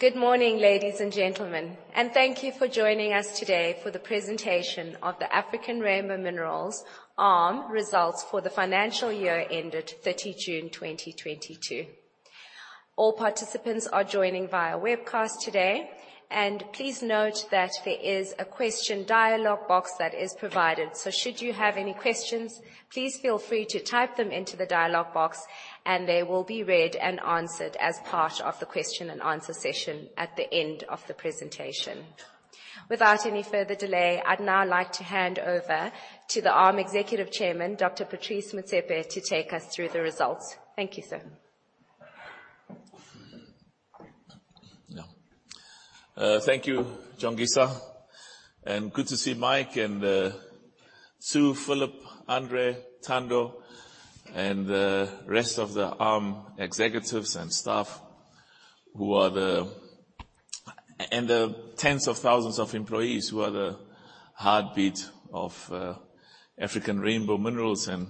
Good morning, ladies and gentlemen, and thank you for joining us today for the presentation of the African Rainbow Minerals, ARM, results for the financial year ended 30 June 2022. All participants are joining via webcast today, and please note that there is a question dialog box that is provided. Should you have any questions, please feel free to type them into the dialog box and they will be read and answered as part of the question and answer session at the end of the presentation. Without any further delay, I'd now like to hand over to the ARM Executive Chairman, Dr. Patrice Motsepe, to take us through the results. Thank you, sir. Yeah. Thank you, Jongisa, and good to see Mike and Sue, Philip, Andre, Thando, and the rest of the ARM executives and staff who are the tens of thousands of employees who are the heartbeat of African Rainbow Minerals, and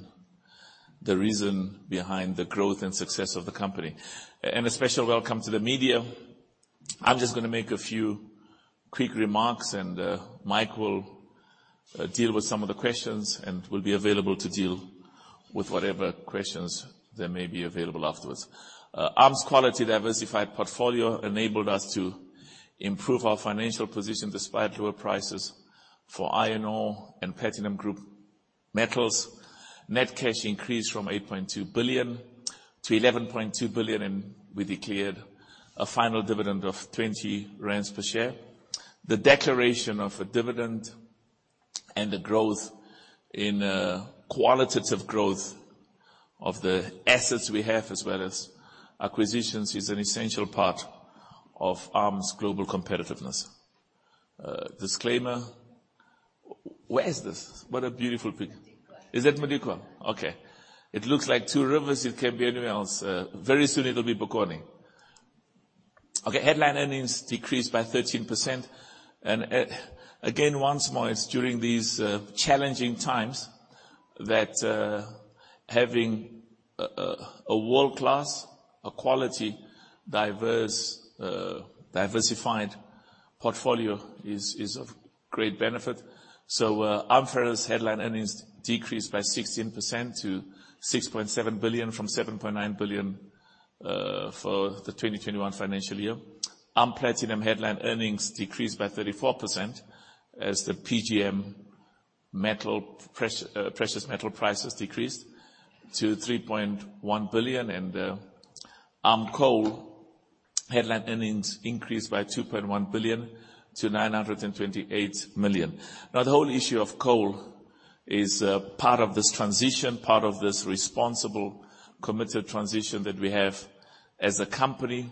the reason behind the growth and success of the company. A special welcome to the media. I'm just gonna make a few quick remarks, and Mike will deal with some of the questions and will be available to deal with whatever questions that may be available afterwards. ARM's quality diversified portfolio enabled us to improve our financial position despite lower prices for iron ore and platinum group metals. Net cash increased from 8.2 billion-11.2 billion, and we declared a final dividend of 20 rand per share. The declaration of a dividend and the growth in qualitative growth of the assets we have, as well as acquisitions, is an essential part of ARM's global competitiveness. Disclaimer. Where is this? What a beautiful pic- Modikwa. Is that Modikwa? Okay. It looks like Two Rivers. It can't be anywhere else. Very soon it'll be Bokoni. Okay, headline earnings decreased by 13%. Again, once more, it's during these challenging times that having a world-class, quality diverse, diversified portfolio is of great benefit. ARM Ferrous headline earnings decreased by 16% to 6.7 billion from 7.9 billion for the 2021 financial year. ARM Platinum headline earnings decreased by 34% as the PGM metal price, precious metal prices decreased to 3.1 billion. ARM Coal headline earnings increased by 2.1 billion-928 million. Now, the whole issue of coal is part of this transition, part of this responsible, committed transition that we have as a company.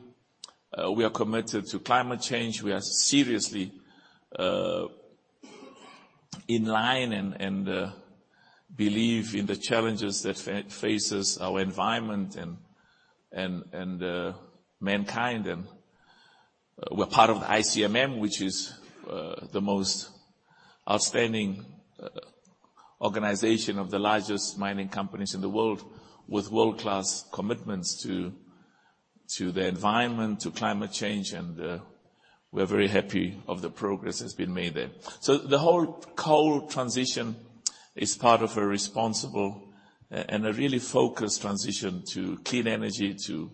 We are committed to climate change. We are seriously in line and believe in the challenges that faces our environment and mankind. We're part of ICMM, which is the most outstanding organization of the largest mining companies in the world, with world-class commitments to the environment, to climate change, and we're very happy of the progress that's been made there. The whole coal transition is part of a responsible and a really focused transition to clean energy, to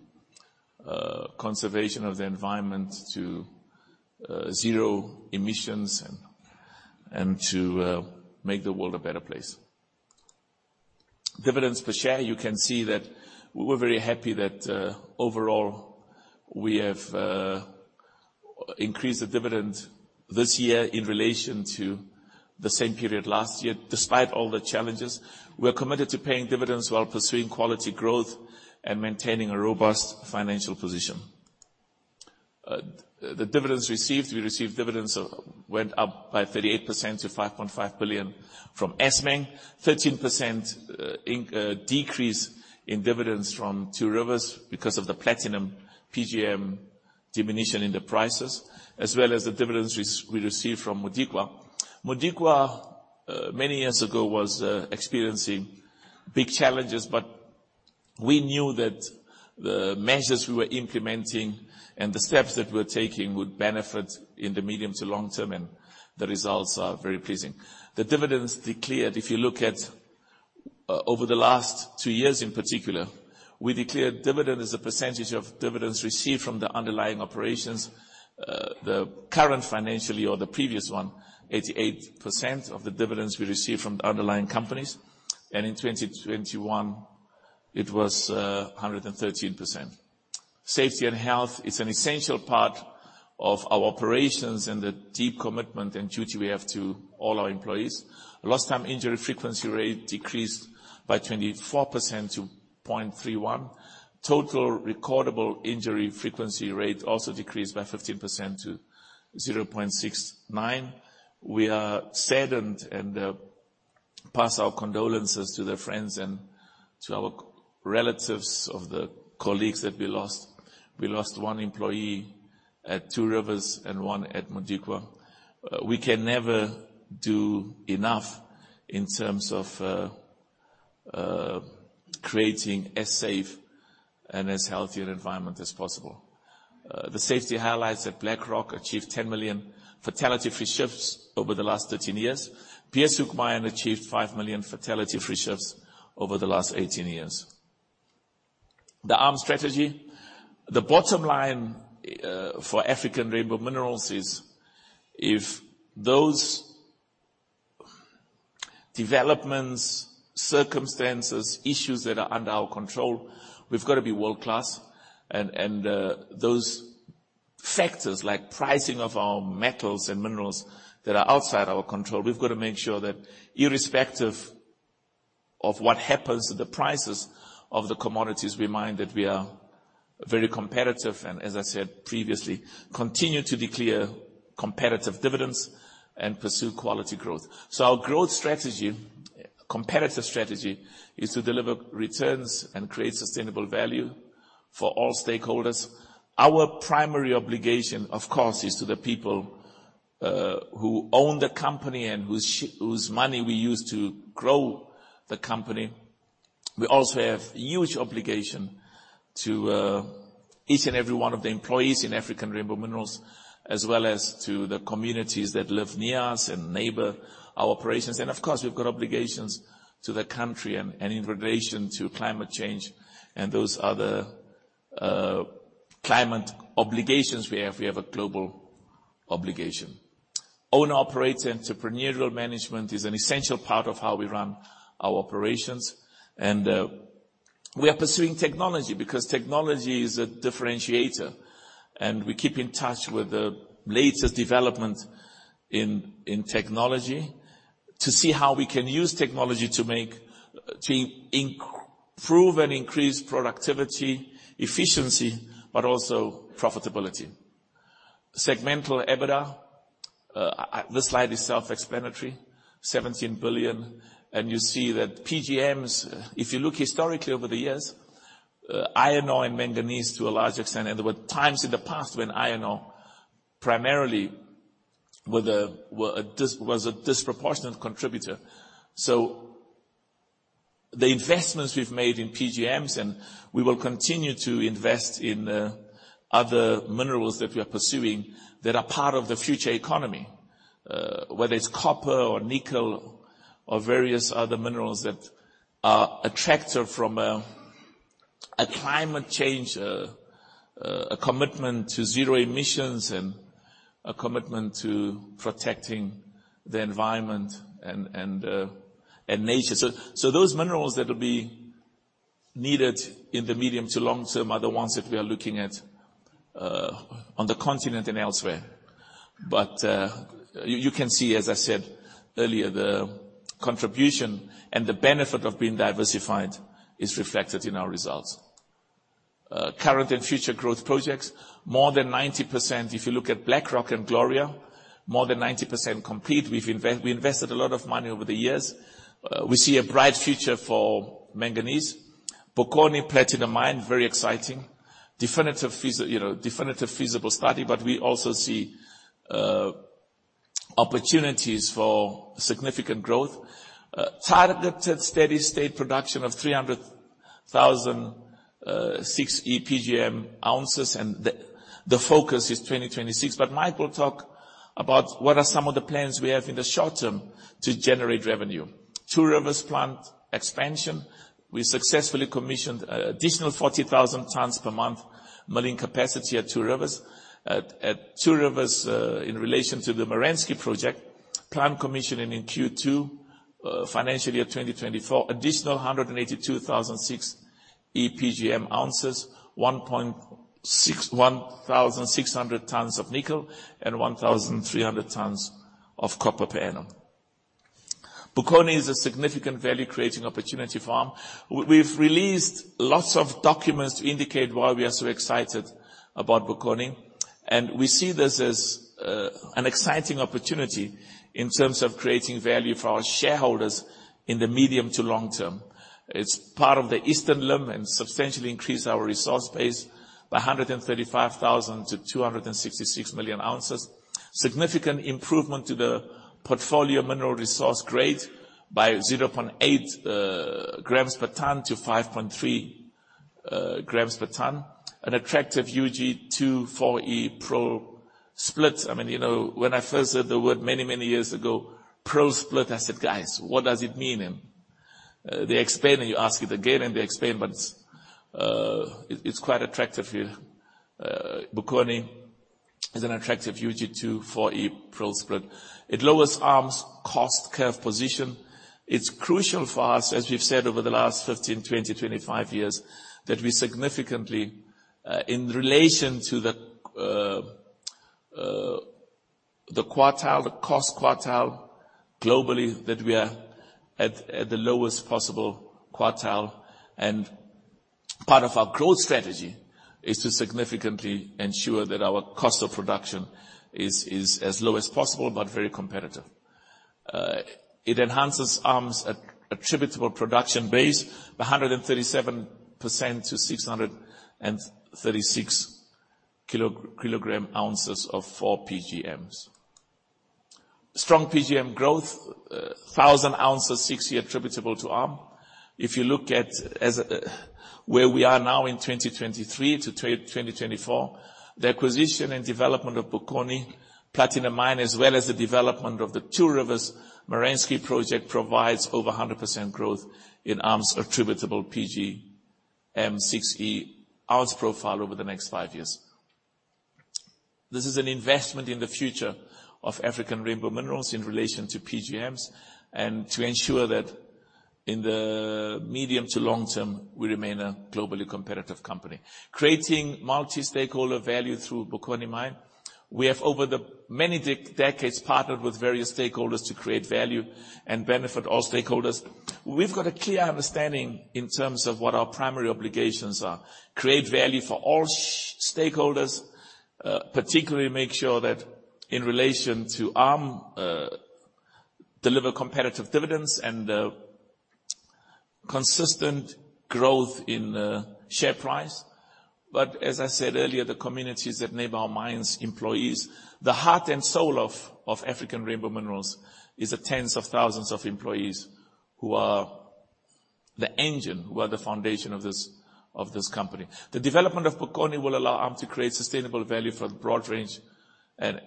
conservation of the environment, to zero emissions, and to make the world a better place. Dividends per share, you can see that we're very happy that overall we have increased the dividend this year in relation to the same period last year, despite all the challenges. We are committed to paying dividends while pursuing quality growth and maintaining a robust financial position. The dividends received went up by 38% to 5.5 billion from Assmang. 13% decrease in dividends from Two Rivers because of the platinum PGM diminution in the prices, as well as the dividends we received from Modikwa. Modikwa many years ago was experiencing big challenges, but we knew that the measures we were implementing and the steps that we're taking would benefit in the medium to long term, and the results are very pleasing. The dividends declared, if you look at over the last two years in particular, we declared dividend as a percentage of dividends received from the underlying operations. The current financial year or the previous one, 88% of the dividends we received from the underlying companies. In 2021, it was 113%. Safety and health is an essential part of our operations and the deep commitment and duty we have to all our employees. Lost time injury frequency rate decreased by 24% to 0.31. Total recordable injury frequency rate also decreased by 15% to 0.69. We are saddened and pass our condolences to the friends and to our relatives of the colleagues that we lost. We lost one employee at Two Rivers and one at Modikwa. We can never do enough in terms of creating a safe and healthier environment as possible. The safety highlights that Black Rock achieved 10 million fatality-free shifts over the last 13 years. Beeshoek mine achieved 5 million fatality-free shifts over the last 18 years. The ARM strategy, the bottom line, for African Rainbow Minerals is if those developments, circumstances, issues that are under our control, we've got to be world-class and those factors like pricing of our metals and minerals that are outside our control, we've got to make sure that irrespective of what happens to the prices of the commodities we mine, that we are very competitive and as I said previously, continue to declare competitive dividends and pursue quality growth. Our growth strategy, competitive strategy, is to deliver returns and create sustainable value for all stakeholders. Our primary obligation, of course, is to the people, who own the company and whose money we use to grow the company. We also have huge obligation to each and every one of the employees in African Rainbow Minerals, as well as to the communities that live near us and neighbor our operations. Of course, we've got obligations to the country and in relation to climate change and those other climate obligations we have. We have a global obligation. Owner operated entrepreneurial management is an essential part of how we run our operations. We are pursuing technology because technology is a differentiator, and we keep in touch with the latest development in technology to see how we can use technology to make improve and increase productivity, efficiency, but also profitability. Segmental EBITDA, this slide is self-explanatory, 17 billion, and you see that PGMs, if you look historically over the years, iron ore and manganese to a large extent, and there were times in the past when iron ore primarily was a disproportionate contributor. The investments we've made in PGMs, and we will continue to invest in other minerals that we are pursuing that are part of the future economy, whether it's copper or nickel or various other minerals that are attractive from a climate change commitment to zero emissions and a commitment to protecting the environment and nature. Those minerals that will be needed in the medium to long term are the ones that we are looking at on the continent and elsewhere. You can see, as I said earlier, the contribution and the benefit of being diversified is reflected in our results. Current and future growth projects, more than 90%, if you look at Black Rock and Gloria, more than 90% complete. We invested a lot of money over the years. We see a bright future for manganese. Bokoni Platinum Mine, very exciting. Definitive feasibility study, you know, but we also see opportunities for significant growth. Targeted steady-state production of 300,000 6E PGM oz, and the focus is 2026. Mike will talk about what are some of the plans we have in the short term to generate revenue. Two Rivers plant expansion, we successfully commissioned an additional 40,000 tons per month milling capacity at Two Rivers. At Two Rivers, in relation to the Merensky project, plant commissioning in Q2, financial year 2024, additional 182,000 6E PGM oz, 1,600 tons of nickel and 1,300 tons of copper per annum. Bokoni is a significant value creating opportunity for ARM. We've released lots of documents to indicate why we are so excited about Bokoni, and we see this as an exciting opportunity in terms of creating value for our shareholders in the medium to long term. It's part of the eastern limb and substantially increased our resource base by 135,000-266 million oz. Significant improvement to the portfolio mineral resource grade by 0.8 g per ton to 5.3 g per ton. An attractive UG2/4E prill split. I mean, you know, when I first heard the word many, many years ago, prill split, I said, "Guys, what does it mean?" They explained, and you ask it again, and they explain, but it's quite attractive. Bokoni is an attractive UG2/4E prill split. It lowers ARM's cost curve position. It's crucial for us, as we've said over the last 15, 20, 25 years, that we significantly in relation to the quartile, the cost quartile globally, that we are at the lowest possible quartile. Part of our growth strategy is to significantly ensure that our cost of production is as low as possible but very competitive. It enhances ARM's attributable production base by 137% to 636 kg oz of 4E PGMs. Strong PGM growth, 1,000 oz 6E attributable to ARM. If you look at where we are now in 2023 to 2024, the acquisition and development of Bokoni Platinum Mine, as well as the development of the Two Rivers Merensky project, provides over 100% growth in ARM's attributable PGM 6E ounce profile over the next five years. This is an investment in the future of African Rainbow Minerals in relation to PGMs, and to ensure that in the medium to long term, we remain a globally competitive company. Creating multi-stakeholder value through Bokoni Mine. We have over the many decades, partnered with various stakeholders to create value and benefit all stakeholders. We've got a clear understanding in terms of what our primary obligations are. Create value for all stakeholders, particularly make sure that in relation to ARM, deliver competitive dividends and consistent growth in the share price. As I said earlier, the communities that neighbor our mines, employees, the heart and soul of African Rainbow Minerals is the tens of thousands of employees who are the engine, who are the foundation of this company. The development of Bokoni will allow ARM to create sustainable value for the broad range and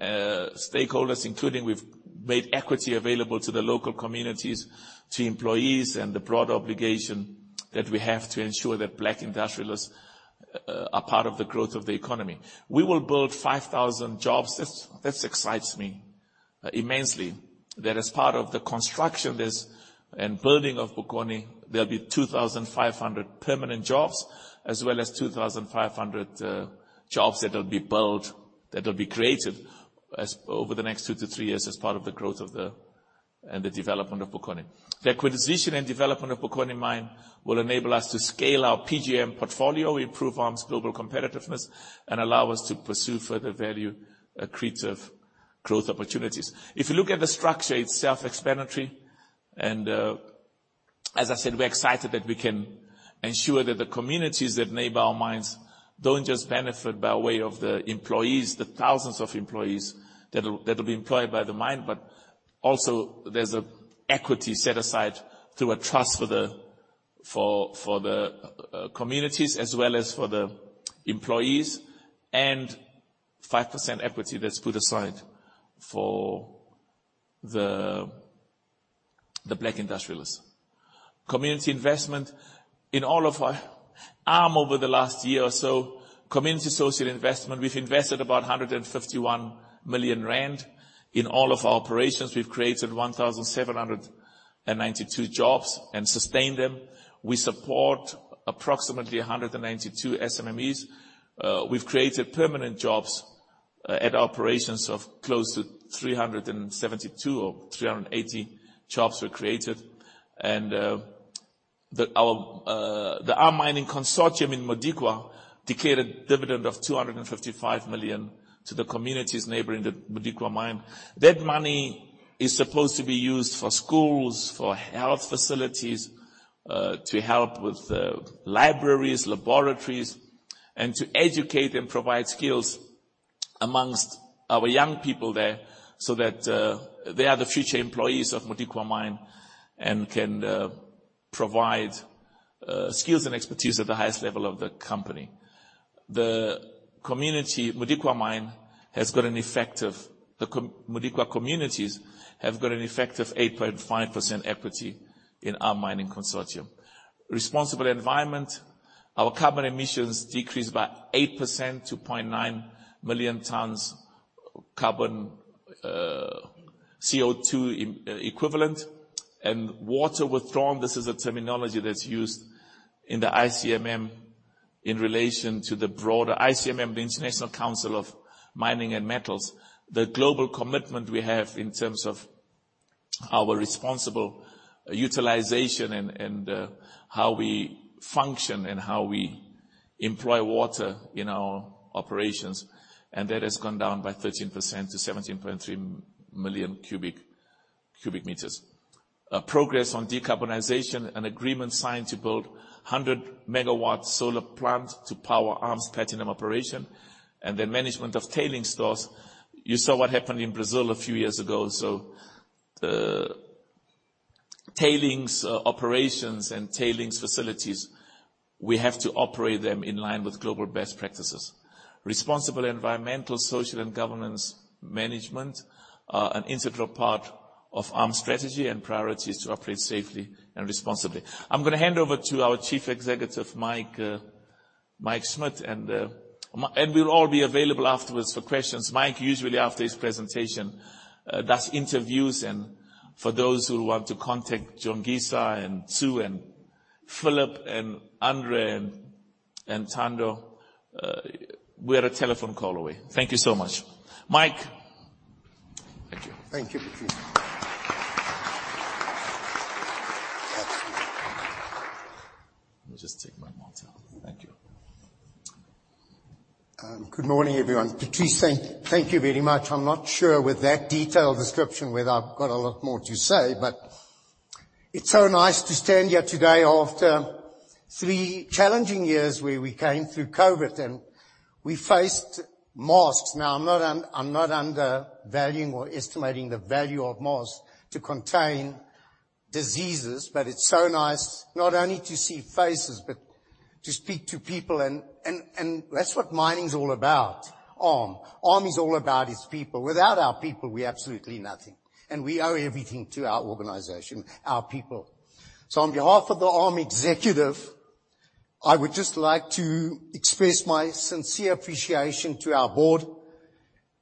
stakeholders, including we've made equity available to the local communities, to employees, and the broad obligation that we have to ensure that black industrialists are part of the growth of the economy. We will build 5,000 jobs. That excites me immensely. That as part of the construction and building of Bokoni, there'll be 2,500 permanent jobs, as well as 2,500 jobs that will be created over the next two to three years as part of the growth of the and the development of Bokoni. The acquisition and development of Bokoni Mine will enable us to scale our PGM portfolio, improve ARM's global competitiveness, and allow us to pursue further value accretive growth opportunities. If you look at the structure, it's self-explanatory. As I said, we're excited that we can ensure that the communities that neighbor our mines don't just benefit by way of the employees, the thousands of employees that'll be employed by the mine, but also there's a equity set aside through a trust for the communities as well as for the employees, and 5% equity that's put aside for the black industrialists. Community investment. In all of our ARM over the last year or so, community associated investment, we've invested about 151 million rand. In all of our operations, we've created 1,792 jobs and sustained them. We support approximately 192 SMMEs. We've created permanent jobs at operations of close to 372 or 380 jobs were created. The ARM Mining Consortium in Modikwa declared a dividend of 255 million to the communities neighboring the Modikwa Mine. That money is supposed to be used for schools, for health facilities, to help with libraries, laboratories, and to educate and provide skills among our young people there so that they are the future employees of Modikwa Mine and can provide skills and expertise at the highest level of the company. Modikwa communities have an effective 8.5% equity in our mining consortium. Responsible environment. Our carbon emissions decreased by 8% to 0.9 million tons carbon, CO2 equivalent. Water withdrawn, this is a terminology that's used in the ICMM in relation to the broader ICMM, the International Council on Mining and Metals, the global commitment we have in terms of our responsible utilization and how we function and how we employ water in our operations, and that has gone down by 13% to 17.3 million cu meters. Progress on decarbonization and agreement signed to build 100-MW solar plant to power ARM's platinum operation. The management of tailings storage, you saw what happened in Brazil a few years ago. Tailings operations and tailings facilities, we have to operate them in line with global best practices. Responsible environmental, social, and governance management are an integral part of ARM's strategy and priorities to operate safely and responsibly. I'm gonna hand over to our Chief Executive, Mike Schmidt, and we'll all be available afterwards for questions. Mike usually after his presentation does interviews and for those who want to contact Jongisa and Sue and Phillip and Andre and Thando, we're a telephone call away. Thank you so much. Mike. Thank you. Thank you, Patrice. Let me just take my mic off. Thank you. Good morning, everyone. Patrice, thank you very much. I'm not sure, with that detailed description, whether I've got a lot more to say, but It's so nice to stand here today after three challenging years where we came through COVID, and we faced masks. Now, I'm not undervaluing or estimating the value of masks to contain diseases, but it's so nice not only to see faces, but to speak to people and that's what mining's all about. ARM. ARM is all about its people. Without our people, we're absolutely nothing. We owe everything to our organization, our people. On behalf of the ARM executive, I would just like to express my sincere appreciation to our board,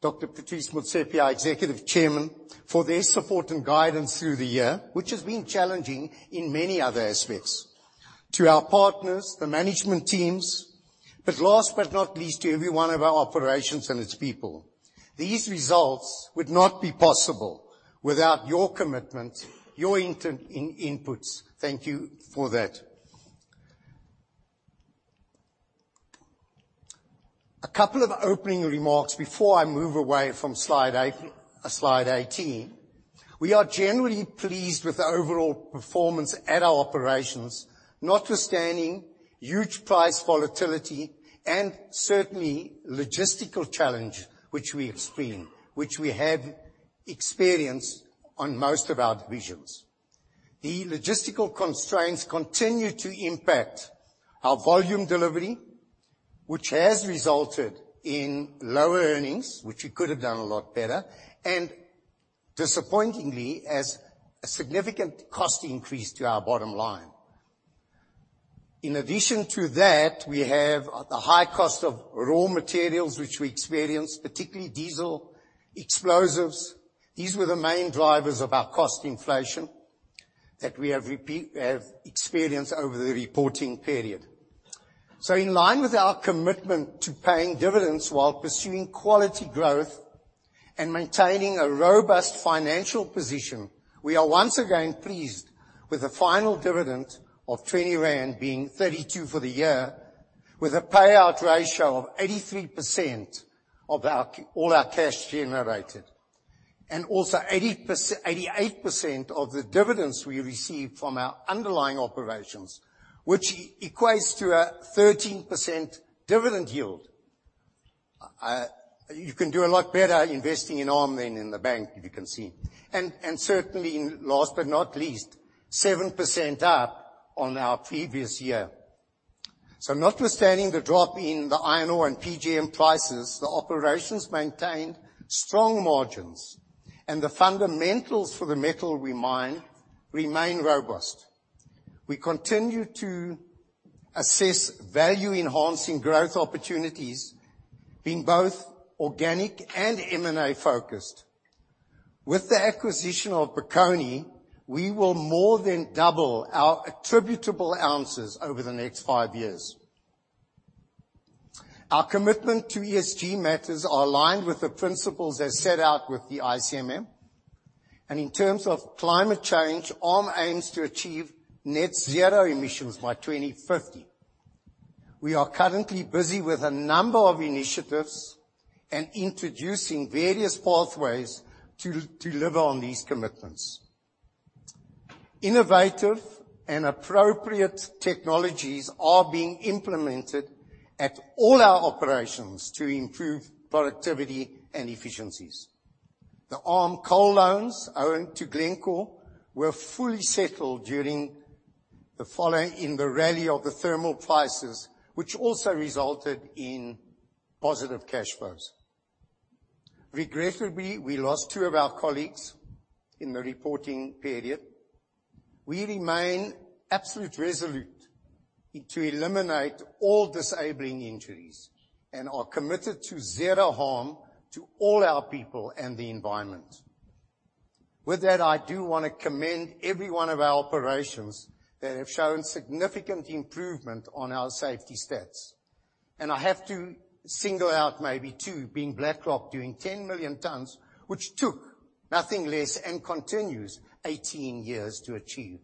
Dr. Patrice Motsepe, our Executive Chairman, for their support and guidance through the year, which has been challenging in many other aspects. To our partners, the management teams. Last but not least, to every one of our operations and its people, these results would not be possible without your commitment, your inputs. Thank you for that. A couple of opening remarks before I move away from slide eighteen. We are generally pleased with the overall performance at our operations, notwithstanding huge price volatility and certainly logistical challenge which we have experienced on most of our divisions. The logistical constraints continue to impact our volume delivery, which has resulted in lower earnings, which we could have done a lot better, and disappointingly, as a significant cost increase to our bottom line. In addition to that, we have the high cost of raw materials which we experienced, particularly diesel, explosives. These were the main drivers of our cost inflation that we have experienced over the reporting period. In line with our commitment to paying dividends while pursuing quality growth and maintaining a robust financial position, we are once again pleased with the final dividend of 20 rand being 32 for the year, with a payout ratio of 83% of all our cash generated. Also 88% of the dividends we received from our underlying operations, which equates to a 13% dividend yield. You can do a lot better investing in ARM than in the bank, as you can see. Certainly last but not least, 7% up on our previous year. Notwithstanding the drop in the iron ore and PGM prices, the operations maintained strong margins, and the fundamentals for the metal we mine remain robust. We continue to assess value-enhancing growth opportunities, being both organic and M&A-focused. With the acquisition of Bokoni, we will more than double our attributable oz over the next five years. Our commitment to ESG matters are aligned with the principles as set out with the ICMM. In terms of climate change, ARM aims to achieve net zero emissions by 2050. We are currently busy with a number of initiatives and introducing various pathways to deliver on these commitments. Innovative and appropriate technologies are being implemented at all our operations to improve productivity and efficiencies. The ARM coal loans owed to Glencore were fully settled during the following the rally of the thermal prices, which also resulted in positive cash flows. Regrettably, we lost two of our colleagues in the reporting period. We remain absolutely resolute to eliminate all disabling injuries, and are committed to zero harm to all our people and the environment. With that, I do wanna commend every one of our operations that have shown significant improvement on our safety stats. I have to single out maybe two, being Black Rock doing 10 million tons, which took nothing less and continues 18 years to achieve.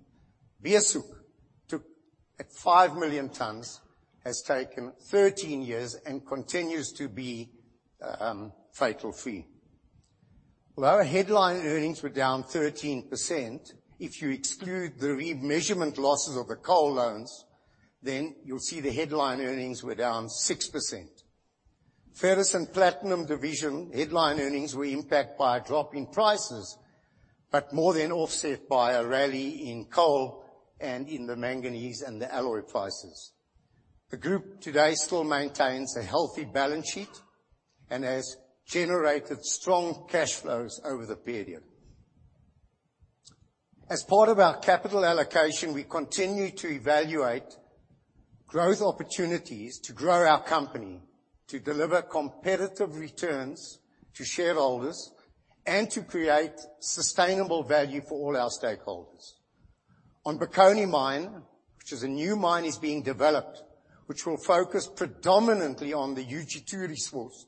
Beeshoek, at 5 million tons, has taken 13 years and continues to be fatality-free. Although our headline earnings were down 13%, if you exclude the remeasurement losses of the coal loans, then you'll see the headline earnings were down 6%. Ferrous and Platinum division headline earnings were impacted by a drop in prices, but more than offset by a rally in coal and in the manganese and the alloy prices. The group today still maintains a healthy balance sheet and has generated strong cash flows over the period. As part of our capital allocation, we continue to evaluate growth opportunities to grow our company, to deliver competitive returns to shareholders, and to create sustainable value for all our stakeholders. On Bokoni Mine, which is a new mine that's being developed, which will focus predominantly on the UG2 source,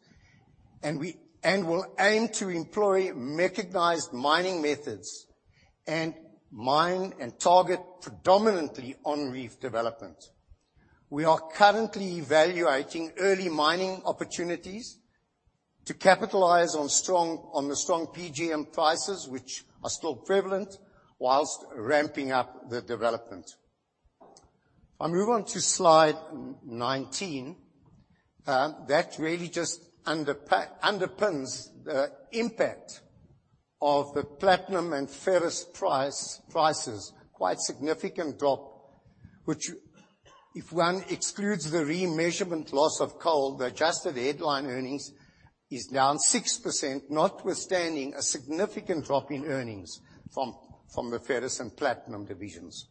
and will aim to employ mechanized mining methods and mine and target predominantly on reef development. We are currently evaluating early mining opportunities to capitalize on the strong PGM prices, which are still prevalent whilst ramping up the development. If I move on to slide 19, that really just underpins the impact of the platinum and ferrous prices. Quite significant drop, which if one excludes the remeasurement loss of coal, the adjusted headline earnings is down 6%, notwithstanding a significant drop in earnings from the ferrous and platinum divisions.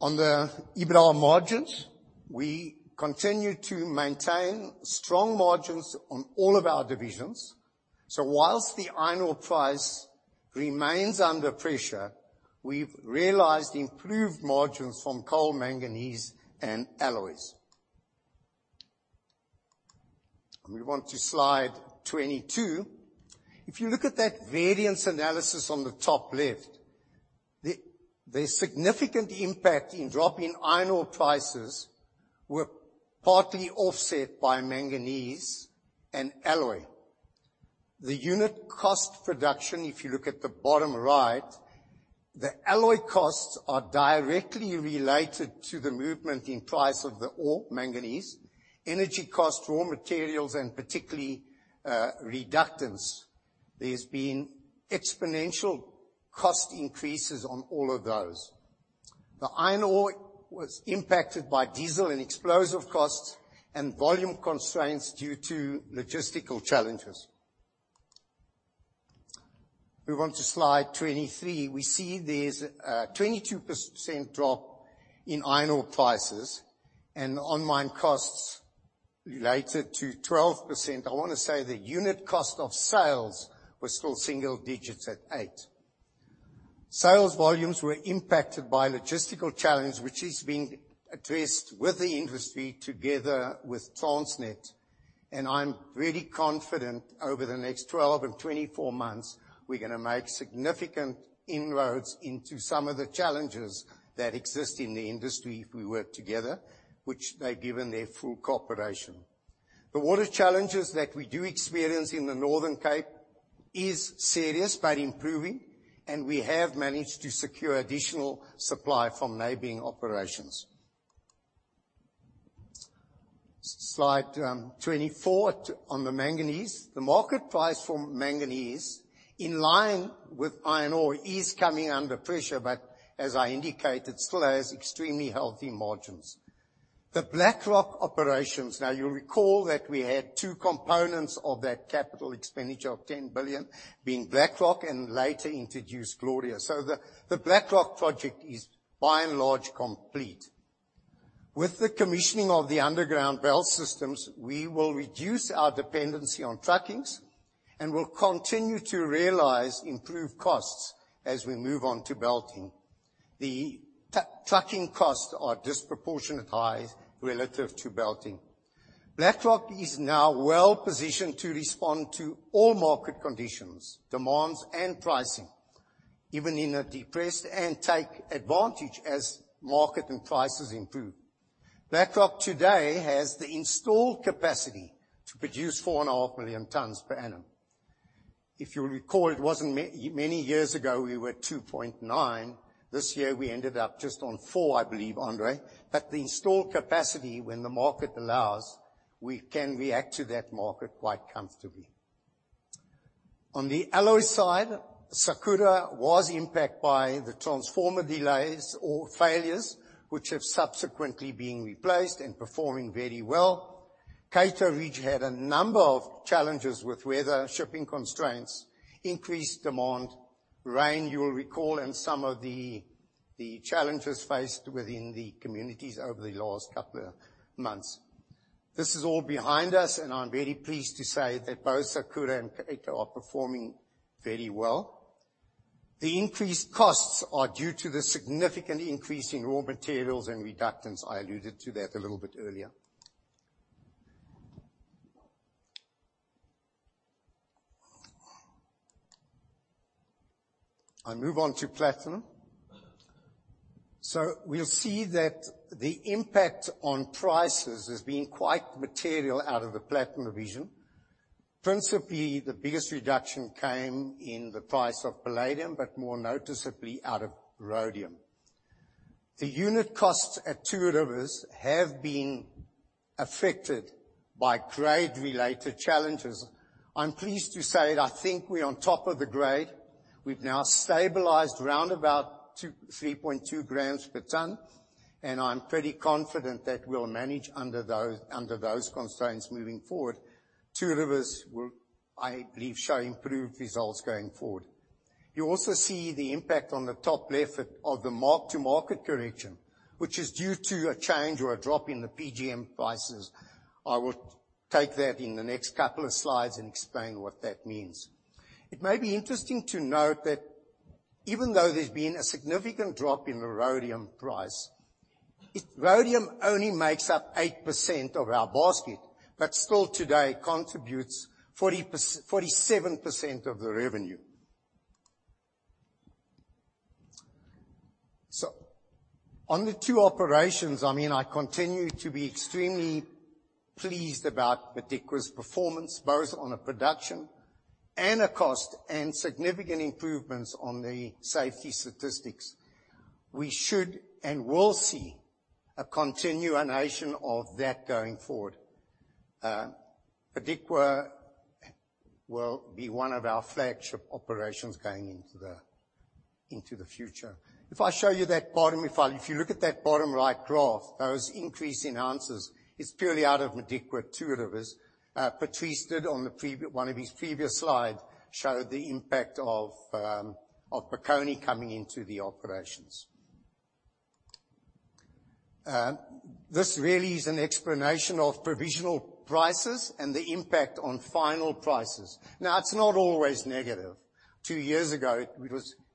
On the EBITDA margins, we continue to maintain strong margins on all of our divisions. While the iron ore price remains under pressure, we've realized improved margins from coal, manganese, and alloys. We move on to slide 22. If you look at that variance analysis on the top left, the significant impact in dropping iron ore prices were partly offset by manganese and alloy. The unit cost reduction, if you look at the bottom right, the alloy costs are directly related to the movement in price of the ore, manganese. Energy costs, raw materials, and particularly, reductants. There's been exponential cost increases on all of those. The iron ore was impacted by diesel and explosive costs and volume constraints due to logistical challenges. We move on to slide 23. We see there's a 22% drop in iron ore prices and on-mine costs related to 12%. I wanna say the unit cost of sales was still single digits at eight. Sales volumes were impacted by logistical challenge, which is being addressed with the industry together with Transnet, and I'm very confident over the next 12 and 24 months we're gonna make significant inroads into some of the challenges that exist in the industry if we work together, which they've given their full cooperation. The water challenges that we do experience in the Northern Cape is serious, but improving, and we have managed to secure additional supply from neighboring operations. Slide 24 on the manganese. The market price for manganese, in line with iron ore, is coming under pressure, but as I indicated, still has extremely healthy margins. The BlackRock operations, now you'll recall that we had two components of that capital expenditure of 10 billion being Black Rock and later introduced Gloria. The Black Rock project is by and large complete. With the commissioning of the underground belt systems, we will reduce our dependency on truckings and will continue to realize improved costs as we move on to belting. The trucking costs are disproportionately high relative to belting. Black Rock is now well-positioned to respond to all market conditions, demands and pricing, even in a depressed, and take advantage as market and prices improve. Black Rock today has the installed capacity to produce 4.5 million tons per annum. If you'll recall, it wasn't many years ago, we were at 2.9 million tons. This year we ended up just on 4 million tons, I believe, Andre. The installed capacity, when the market allows, we can react to that market quite comfortably. On the alloy side, Sakura was impacted by the transformer delays or failures, which have subsequently been replaced and performing very well. Cato Ridge had a number of challenges with weather, shipping constraints, increased demand, rain, you'll recall, and some of the challenges faced within the communities over the last couple of months. This is all behind us, and I'm very pleased to say that both Sakura and Cato are performing very well. The increased costs are due to the significant increase in raw materials and reductants. I alluded to that a little bit earlier. I move on to platinum. We'll see that the impact on prices has been quite material out of the platinum division. Principally, the biggest reduction came in the price of palladium, but more noticeably out of rhodium. The unit costs at Two Rivers have been affected by grade-related challenges. I'm pleased to say that I think we're on top of the grade. We've now stabilized around 2.32 g per ton, and I'm pretty confident that we'll manage under those constraints moving forward. Two Rivers will, I believe, show improved results going forward. You also see the impact on the top left of the mark-to-market correction, which is due to a change or a drop in the PGM prices. I will take that in the next couple of slides and explain what that means. It may be interesting to note that even though there's been a significant drop in the rhodium price, it. Rhodium only makes up 8% of our basket, but still today contributes 47% of the revenue. On the two operations, I mean, I continue to be extremely pleased about the Modikwa's performance, both on a production and a cost, and significant improvements on the safety statistics. We should and will see a continuation of that going forward. Modikwa will be one of our flagship operations going into the future. If you look at that bottom right graph, those increase in oz is purely out of Modikwa, Two Rivers. Patrice did on one of his previous slide showed the impact of Bokoni coming into the operations. This really is an explanation of provisional prices and the impact on final prices. Now it's not always negative. Two years ago,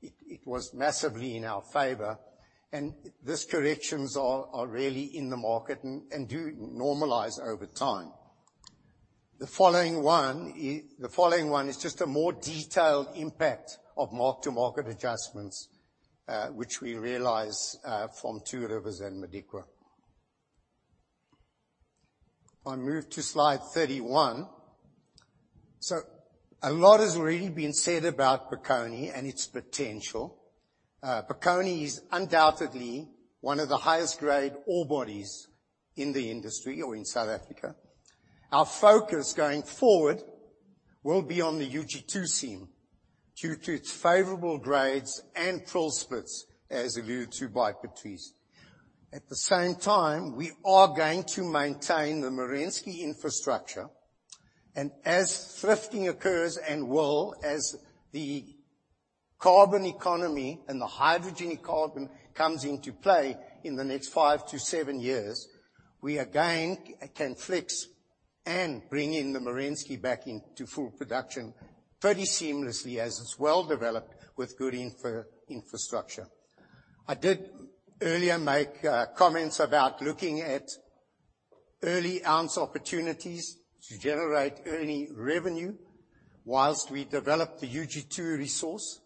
it was massively in our favor, and these corrections are really in the market and do normalize over time. The following one is just a more detailed impact of mark-to-market adjustments, which we realize from Two Rivers and Modikwa. If I move to slide 31. A lot has already been said about Bokoni and its potential. Bokoni is undoubtedly one of the highest grade ore bodies in the industry or in South Africa. Our focus going forward will be on the UG2 seam due to its favorable grades and prill splits, as alluded to by Patrice. At the same time, we are going to maintain the Merensky infrastructure. As thrifting occurs and will, as the carbon economy and the hydrogen economy comes into play in the next five to seven years, we again can flex and bring in the Merensky back into full production fairly seamlessly as it's well developed with good infrastructure. I did earlier make comments about looking at early ounce opportunities to generate early revenue whilst we develop the UG2 resource.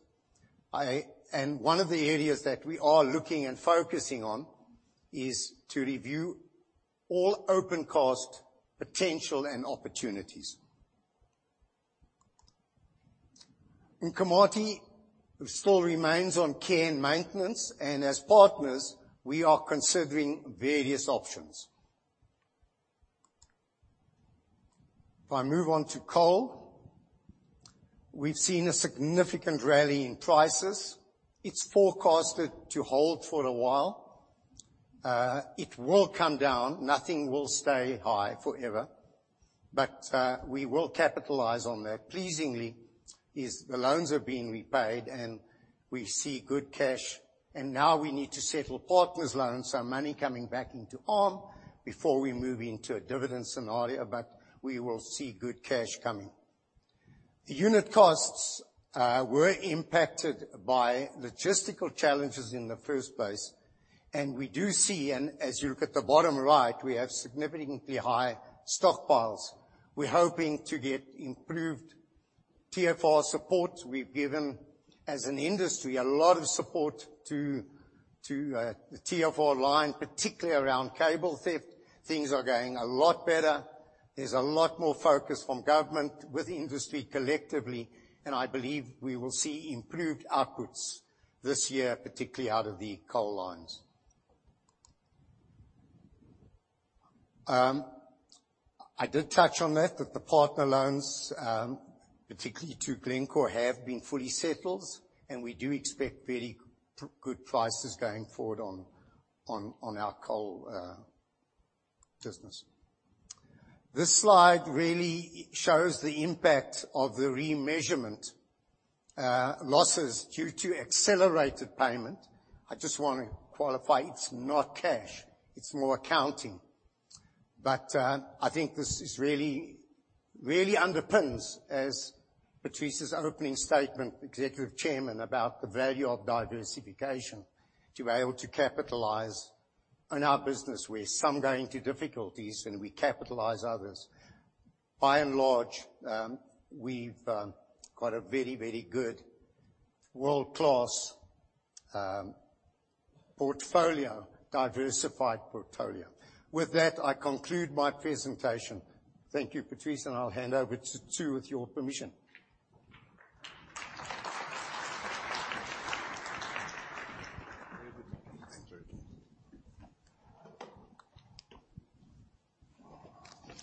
One of the areas that we are looking and focusing on is to review all open cast potential and opportunities. Nkomati still remains on care and maintenance, and as partners, we are considering various options. If I move on to coal. We've seen a significant rally in prices. It's forecasted to hold for a while. It will come down. Nothing will stay high forever, but we will capitalize on that. Pleasingly, the loans are being repaid and we see good cash, and now we need to settle partners' loans, so money coming back into ARM before we move into a dividend scenario, but we will see good cash coming. The unit costs were impacted by logistical challenges in the first place, and we do see, and as you look at the bottom right, we have significantly high stockpiles. We're hoping to get improved TFR support. We've given, as an industry, a lot of support to the TFR line, particularly around cable theft. Things are going a lot better. There's a lot more focus from government with industry collectively, and I believe we will see improved outputs this year, particularly out of the coal lines. I did touch on that the partner loans, particularly to Glencore, have been fully settled, and we do expect very good prices going forward on our coal business. This slide really shows the impact of the remeasurement losses due to accelerated payment. I just wanna qualify, it's not cash, it's more accounting. I think this really underpins, as Patrice's opening statement, Executive Chairman, about the value of diversification to be able to capitalize on our business where some go into difficulties and we capitalize others. By and large, we've got a very good world-class portfolio, diversified portfolio. With that, I conclude my presentation. Thank you, Patrice, and I'll hand over to Tsun with your permission. Thank you.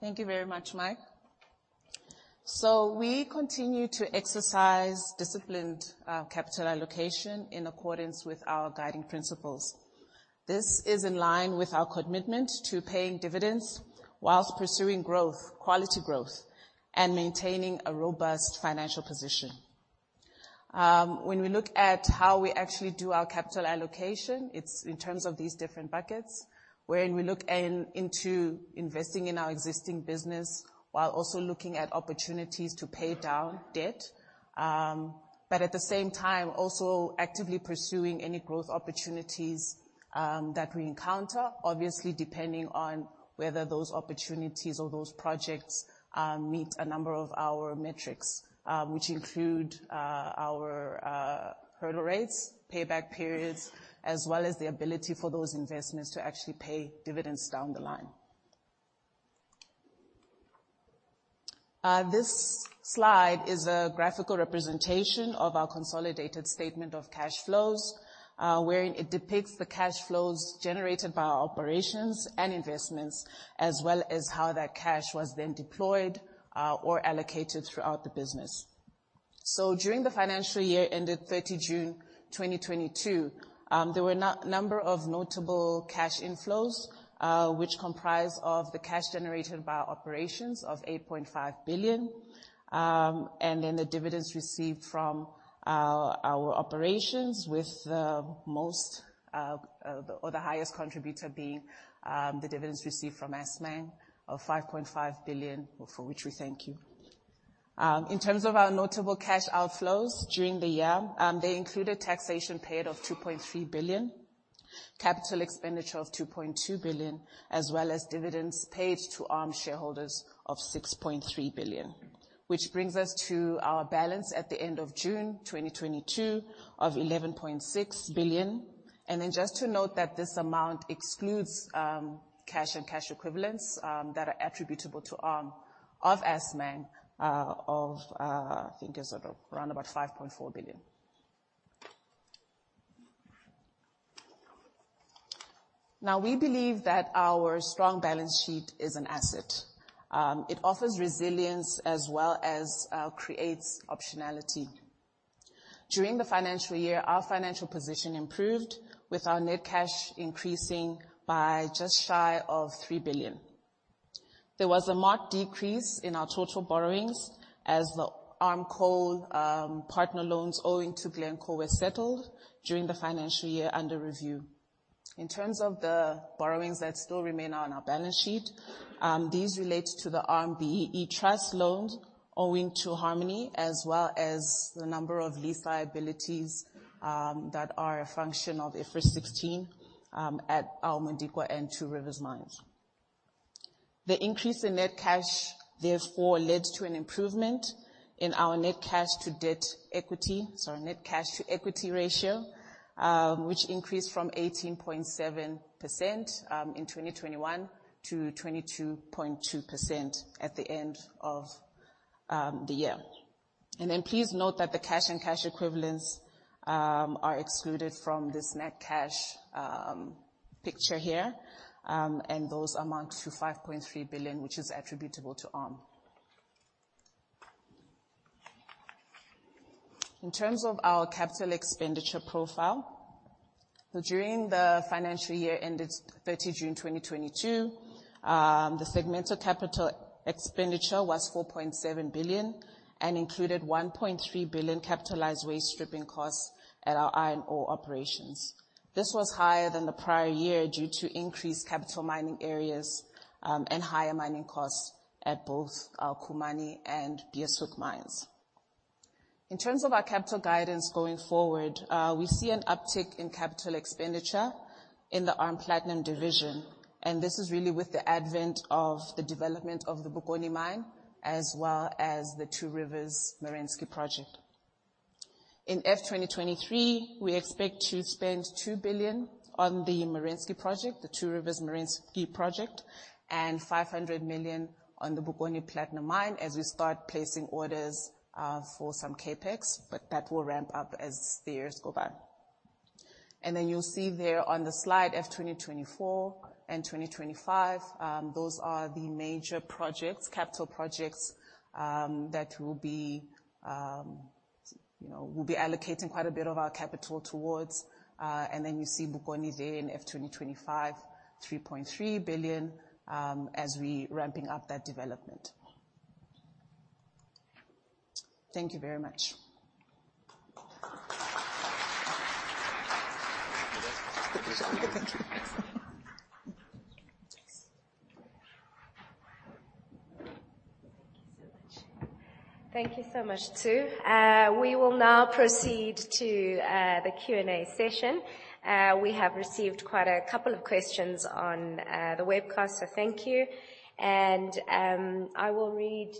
Thank you very much, Mike. We continue to exercise disciplined capital allocation in accordance with our guiding principles. This is in line with our commitment to paying dividends while pursuing growth, quality growth, and maintaining a robust financial position. When we look at how we actually do our capital allocation, it's in terms of these different buckets. We look into investing in our existing business while also looking at opportunities to pay down debt. At the same time, also actively pursuing any growth opportunities that we encounter. Obviously, depending on whether those opportunities or those projects meet a number of our metrics, which include our hurdle rates, payback periods, as well as the ability for those investments to actually pay dividends down the line. This slide is a graphical representation of our consolidated statement of cash flows, wherein it depicts the cash flows generated by our operations and investments, as well as how that cash was then deployed or allocated throughout the business. During the financial year ended 30 June 2022, there were number of notable cash inflows, which comprise of the cash generated by operations of 8.5 billion. Then the dividends received from our operations with most or the highest contributor being the dividends received from Assmang of 5.5 billion, for which we thank you. In terms of our notable cash outflows during the year, they included taxation paid of 2.3 billion, capital expenditure of 2.2 billion, as well as dividends paid to ARM shareholders of 6.3 billion, which brings us to our balance at the end of June 2022 of 11.6 billion. Then just to note that this amount excludes cash and cash equivalents that are attributable to ARM of Assmang, I think it's sort of around about 5.4 billion. Now, we believe that our strong balance sheet is an asset. It offers resilience as well as creates optionality. During the financial year, our financial position improved with our net cash increasing by just shy of 3 billion. There was a marked decrease in our total borrowings as the ARM Coal partner loans owing to Glencore were settled during the financial year under review. In terms of the borrowings that still remain on our balance sheet, these relate to the ARM BBEE Trust loans owing to Harmony, as well as the number of lease liabilities, that are a function of IFRS 16, at our Modikwa and Two Rivers mines. The increase in net cash therefore led to an improvement in our net cash to debt equity, sorry, net cash to equity ratio, which increased from 18.7% in 2021 to 22.2% at the end of the year. Please note that the cash and cash equivalents are excluded from this net cash picture here. Those amount to 5.3 billion, which is attributable to ARM. In terms of our capital expenditure profile, during the financial year ended 30 June 2022, the segmental capital expenditure was 4.7 billion and included 1.3 billion capitalized waste stripping costs at our iron ore operations. This was higher than the prior year due to increased capital mining areas, and higher mining costs at both our Khumani and Beeshoek mines. In terms of our capital guidance going forward, we see an uptick in capital expenditure in the ARM Platinum division, and this is really with the advent of the development of the Bokoni mine as well as the Two Rivers Merensky project. In FY 2023, we expect to spend 2 billion on the Merensky project, the Two Rivers Merensky project, and 500 million on the Bokoni platinum mine as we start placing orders, for some CapEx. That will ramp up as the years go by. You'll see there on the slide FY 2024 and 2025, those are the major projects, capital projects, that will be, you know, we'll be allocating quite a bit of our capital towards. You see Bokoni there in FY 2025, 3.3 billion, as we ramping up that development. Thank you very much. Thank you. Thank you so much. Thank you so much, Tsun. We will now proceed to the Q&A session. We have received quite a couple of questions on the webcast, so thank you. I will read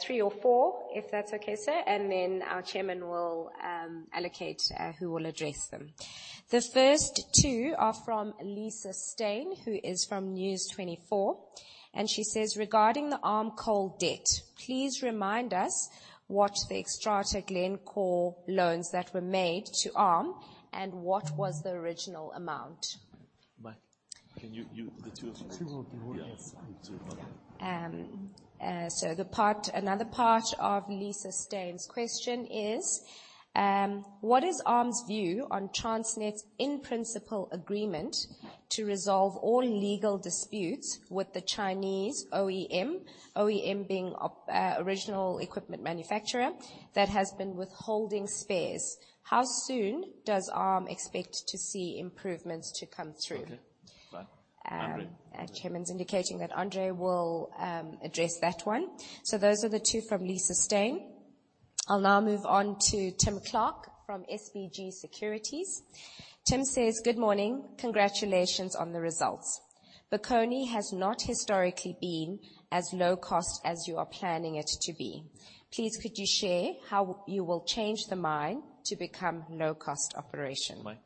three or four, if that's okay, sir, and then our chairman will allocate who will address them. The first two are from Lisa Steyn, who is from News24. She says, "Regarding the ARM Coal debt, please remind us what the Xstrata Glencore loans that were made to ARM and what was the original amount. Mike, can you the two of you? The two of you. Yeah. Another part of Lisa Steyn's question is: What is ARM's view on Transnet's in-principle agreement to resolve all legal disputes with the Chinese OEM being original equipment manufacturer that has been withholding spares? How soon does ARM expect to see improvements to come through? Okay. Mike, Andre. Chairman's indicating that Andre will address that one. Those are the two from Lisa Steyn. I'll now move on to Tim Clark from SBG Securities. Tim says, "Good morning. Congratulations on the results. Bokoni has not historically been as low cost as you are planning it to be. Please, could you share how you will change the mine to become low-cost operation? Mike?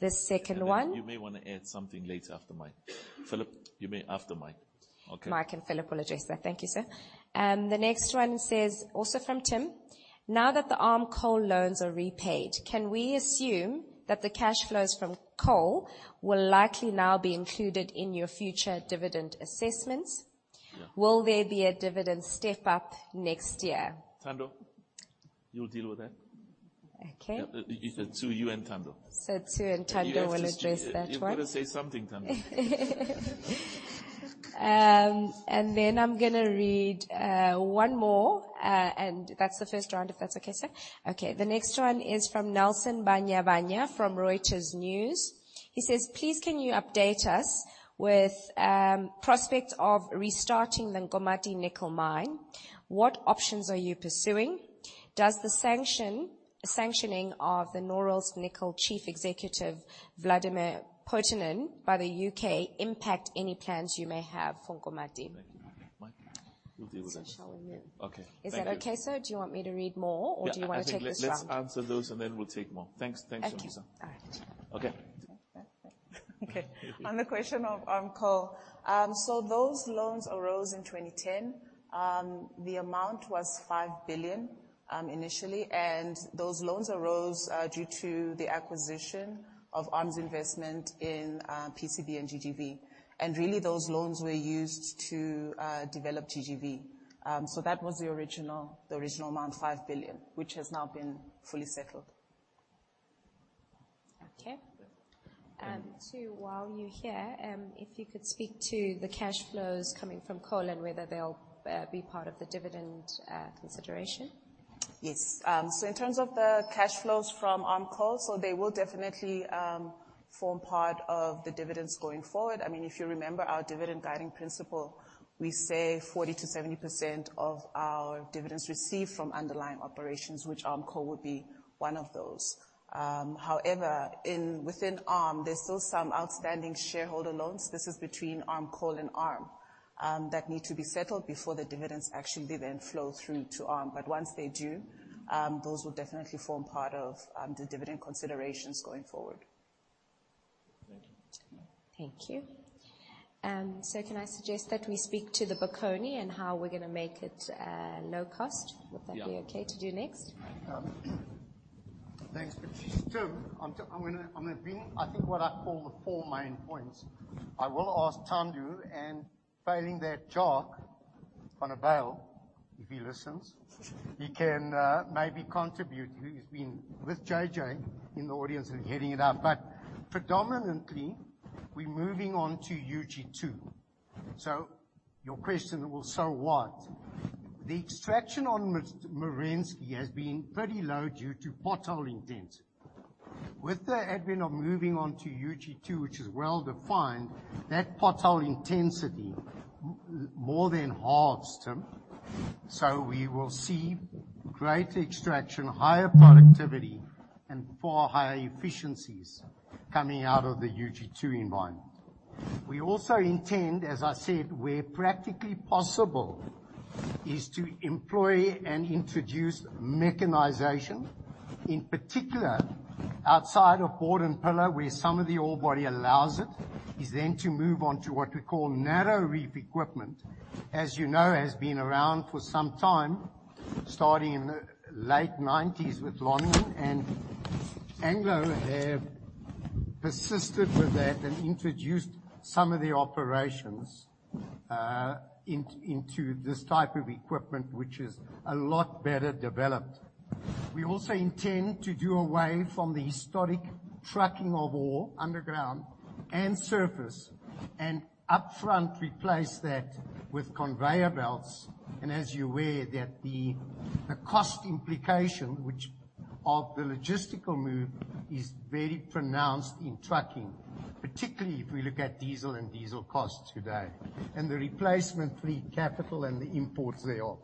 The second one. You may wanna add something later after mine. Phillip, you may after Mike. Okay. Mike and Philip will address that. Thank you, sir. The next one says, also from Tim: Now that the ARM Coal loans are repaid, can we assume that the cash flows from coal will likely now be included in your future dividend assessments? Yeah. Will there be a dividend step-up next year? Thando, you'll deal with that. Okay. Yeah. It's to you and Thando. Two, and Thando will address that one. You've got to say something, Thando. I'm gonna read one more, and that's the first round, if that's okay, sir. Okay. The next one is from Nelson Banya from Reuters. He says: Please, can you update us with prospects of restarting the Nkomati nickel mine? What options are you pursuing? Does the sanctioning of the Norilsk Nickel chief executive, Vladimir Potanin, by the U.K. impact any plans you may have for Nkomati? Mike, you deal with that. Shall we move? Okay. Thank you. Is that okay, sir? Do you want me to read more or do you wanna take this round? Yeah, I think let's answer those, and then we'll take more. Thanks. Thanks, Jongisa. Thank you. All right. Okay. Okay. On the question of ARM Coal. Those loans arose in 2010. The amount was 5 billion initially. Those loans arose due to the acquisition of ARM's investment in PCB and GGV. Really, those loans were used to develop GGV. That was the original amount, 5 billion, which has now been fully settled. Okay. Good. Two, while you're here, if you could speak to the cash flows coming from coal and whether they'll be part of the dividend consideration. Yes. In terms of the cash flows from ARM Coal, they will definitely form part of the dividends going forward. I mean, if you remember our dividend guiding principle, we say 40%-70% of our dividends received from underlying operations, which ARM Coal would be one of those. However, within ARM, there's still some outstanding shareholder loans. This is between ARM Coal and ARM that need to be settled before the dividends actually then flow through to ARM. Once they do, those will definitely form part of the dividend considerations going forward. Thank you. Thank you. Can I suggest that we speak to the Bokoni and how we're gonna make it low cost? Yeah. Would that be okay to do next? Thanks. Still, I'm gonna bring, I think, what I call the four main points. I will ask Thando, and failing that, Jacques van der Bijl, if he listens. He can maybe contribute. He's been with JJ in the audience and heading it up. Predominantly, we're moving on to UG2. Your question will, so what? The extraction on Merensky has been pretty low due to pothole intensity. With the advent of moving on to UG2, which is well defined, that pothole intensity more than 1/2, Tim. We will see great extraction, higher productivity, and far higher efficiencies coming out of the UG2 environment. We also intend, as I said, where practically possible, to employ and introduce mechanization. In particular, outside of board and pillar where some of the ore body allows it, is then to move on to what we call narrow reef equipment. As you know, has been around for some time, starting in the late 1990s with Lonmin, and Anglo have persisted with that and introduced some of the operations into this type of equipment, which is a lot better developed. We also intend to do away with the historic trucking of ore underground and surface and up front replace that with conveyor belts. As you're aware, the cost implication which the logistical move is very pronounced in trucking, particularly if we look at diesel costs today, and the replacement CapEx and the OpEx thereof.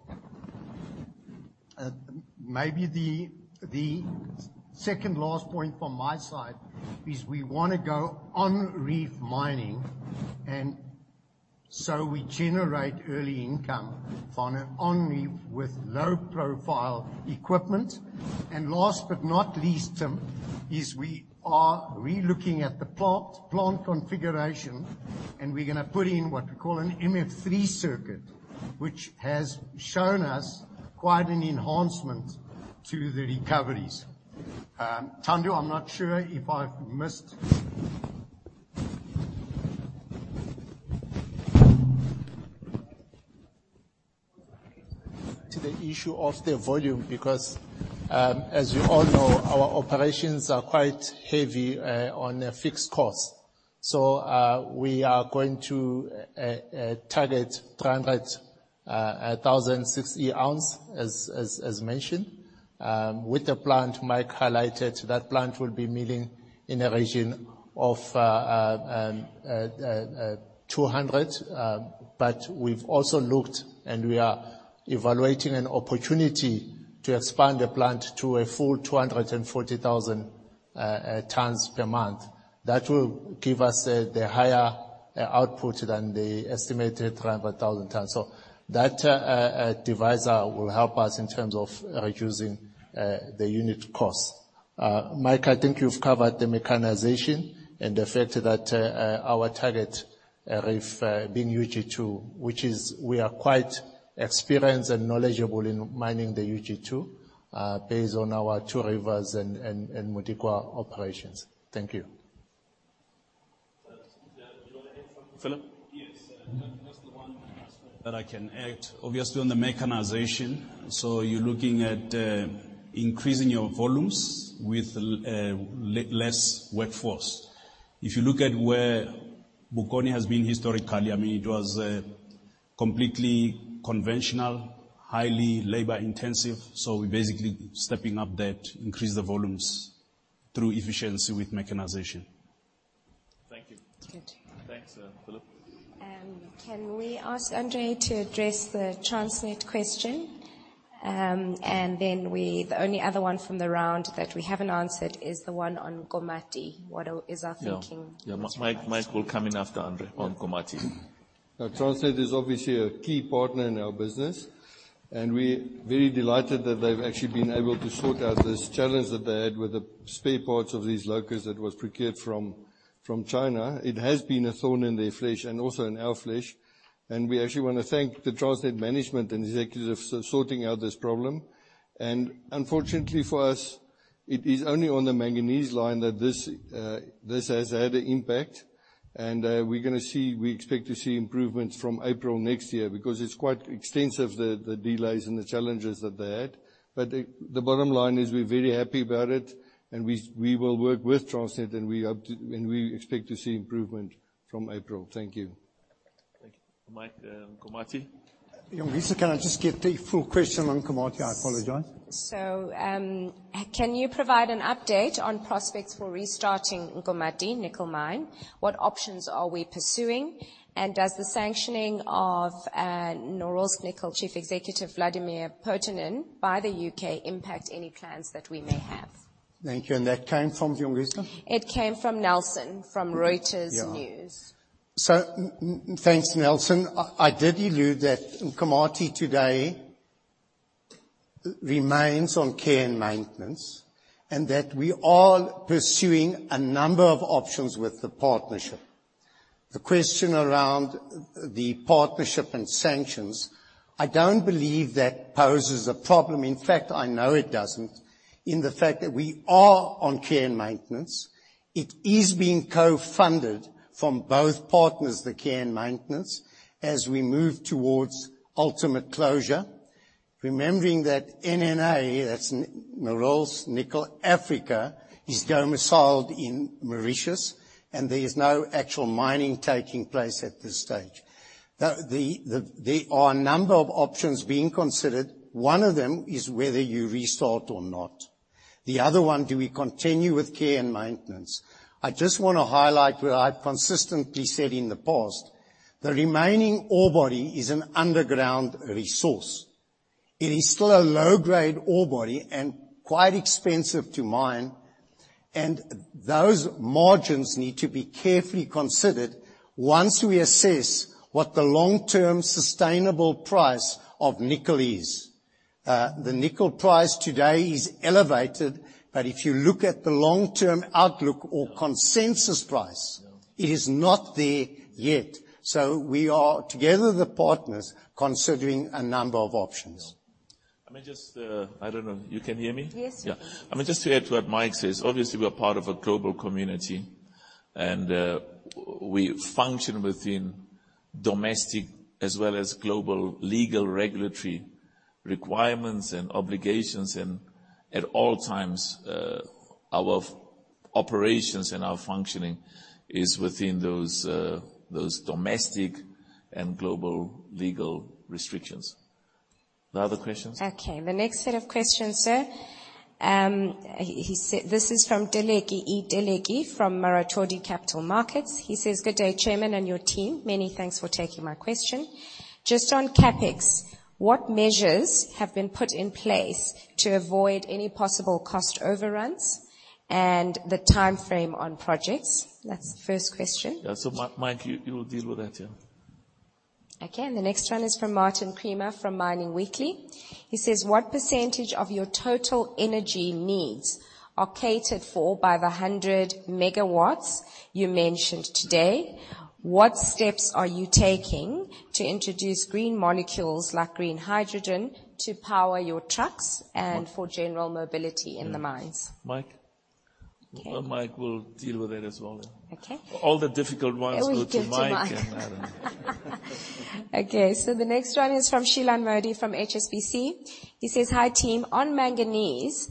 Maybe the second last point from my side is we wanna go on reef mining, and so we generate early income on reef with low-profile equipment. Last but not least, Tim, is we are re-looking at the plant configuration, and we're gonna put in what we call an MF3 circuit, which has shown us quite an enhancement to the recoveries. Thando, I'm not sure if I've missed. To the issue of the volume, because as you all know, our operations are quite heavy on the fixed cost. We are going to target 300,000 6E oz as mentioned. With the plant, Mike highlighted that plant will be milling in the region of 200. But we've also looked and we are evaluating an opportunity to expand the plant to a full 240,000. Tons per month. That will give us the higher output than the estimated 300,000 tons. That divisor will help us in terms of reducing the unit cost. Mike, I think you've covered the mechanization and the fact that our target reef being UG2, which is we are quite experienced and knowledgeable in mining the UG2 based on our Two Rivers and Modikwa operations. Thank you. Do you wanna add something? Philip? Yes. That's the one aspect that I can add. Obviously on the mechanization, so you're looking at increasing your volumes with less workforce. If you look at where Bokoni has been historically, I mean, it was completely conventional, highly labor-intensive, so we basically stepping up that, increase the volumes through efficiency with mechanization. Thank you. It's good. Thanks, Philip. Can we ask Andre to address the Transnet question? The only other one from the round that we haven't answered is the one on Nkomati. What is our thinking? Yeah. Yeah. Mike will come in after Andre on Nkomati. Transnet is obviously a key partner in our business, and we're very delighted that they've actually been able to sort out this challenge that they had with the spare parts of these locos that was procured from China. It has been a thorn in their flesh and also in our flesh, and we actually wanna thank the Transnet management and executives for sorting out this problem. Unfortunately for us, it is only on the manganese line that this has had an impact. We expect to see improvements from April next year because it's quite extensive, the delays and the challenges that they had. The bottom line is we're very happy about it and we will work with Transnet and we hope and we expect to see improvement from April. Thank you. Thank you. Mike, Nkomati. Jongisa, can I just get the full question on Nkomati? I apologize. Can you provide an update on prospects for restarting Nkomati Nickel Mine? What options are we pursuing? Does the sanctioning of Norilsk Nickel chief executive Vladimir Potanin by the U.K. impact any plans that we may have? Thank you. That came from Jongisa? It came from Nelson Banya from Reuters. Yeah. Thanks, Nelson. I did allude that Nkomati today remains on care and maintenance, and that we are pursuing a number of options with the partnership. The question around the partnership and sanctions, I don't believe that poses a problem. In fact, I know it doesn't in the fact that we are on care and maintenance. It is being co-funded from both partners, the care and maintenance, as we move towards ultimate closure. Remembering that NNA, that's Norilsk Nickel Africa, is domiciled in Mauritius, and there is no actual mining taking place at this stage. Now, there are a number of options being considered. One of them is whether you restart or not. The other one, do we continue with care and maintenance? I just wanna highlight what I've consistently said in the past. The remaining ore body is an underground resource. It is still a low-grade ore body and quite expensive to mine. Those margins need to be carefully considered once we assess what the long-term sustainable price of nickel is. The nickel price today is elevated, but if you look at the long-term outlook or consensus price. Yeah It is not there yet. We are, together the partners, considering a number of options. Yeah. Let me just, I don't know. You can hear me? Yes, we can. Yeah. I mean, just to add to what Mike says, obviously we're part of a global community and we function within domestic as well as global legal regulatory requirements and obligations. At all times, our operations and our functioning is within those domestic and global legal restrictions. Are there other questions? Okay. The next set of questions, sir, this is from Dileke Dileke from Mirabaud Capital Markets. He says, "Good day, chairman and your team. Many thanks for taking my question. Just on CapEx, what measures have been put in place to avoid any possible cost overruns and the timeframe on projects?" That's the first question. Yeah. Mike, you will deal with that. Yeah. Okay. The next one is from Martin Creamer from Mining Weekly. He says, "What percentage of your total energy needs are catered for by the 100 megawatts you mentioned today? What steps are you taking to introduce green molecules like green hydrogen to power your trucks and for general mobility in the mines? Mike. Okay. Mike will deal with that as well. Yeah. Okay. All the difficult ones go to Mike. We give to Mike. I don't know. Okay. The next one is from Shilan Modi from HSBC. He says, "Hi, team. On manganese,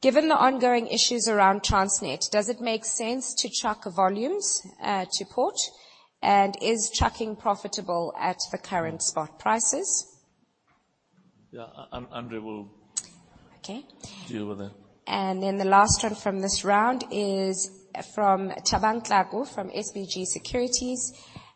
given the ongoing issues around Transnet, does it make sense to truck volumes to port? And is trucking profitable at the current spot prices? Yeah, Andre will- Okay Deal with it. The last one from this round is from Thabang Thlaku from SBG Securities.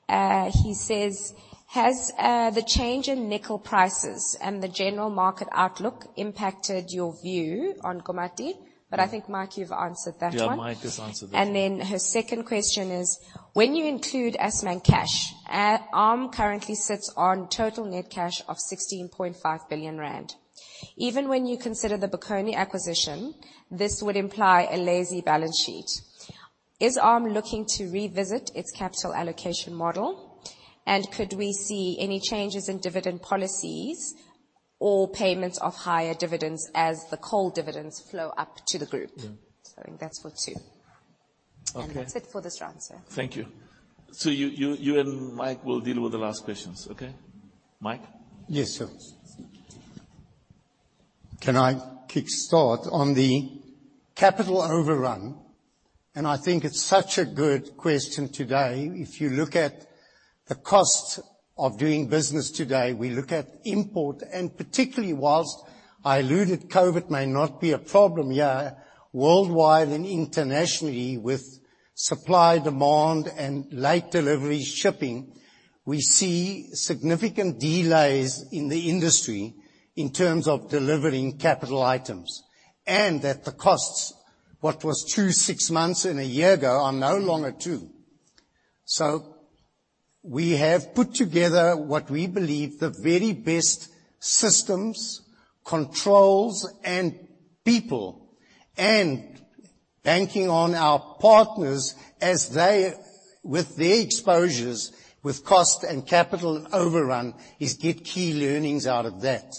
He says, "Has the change in nickel prices and the general market outlook impacted your view on Nkomati?" I think, Mike, you've answered that one. Yeah, Mike has answered that one. Her second question is, "When you include Assmang cash, ARM currently sits on total net cash of 16.5 billion rand. Even when you consider the Bokoni acquisition, this would imply a lazy balance sheet. Is ARM looking to revisit its capital allocation model, and could we see any changes in dividend policies or payments of higher dividends as the coal dividends flow up to the group? Yeah. I think that's for two. Okay. That's it for this round, sir. Thank you. You and Mike will deal with the last questions, okay? Mike? Yes, sir. Can I kickstart on the capital overrun? I think it's such a good question today. If you look at the cost of doing business today, we look at imports, and particularly while I alluded COVID may not be a problem here, worldwide and internationally with supply, demand and late delivery shipping, we see significant delays in the industry in terms of delivering capital items. The costs, what was two, six months and a year ago are no longer true. We have put together what we believe the very best systems, controls and people, and banking on our partners as they, with their exposures with cost and capital overrun, is get key learnings out of that.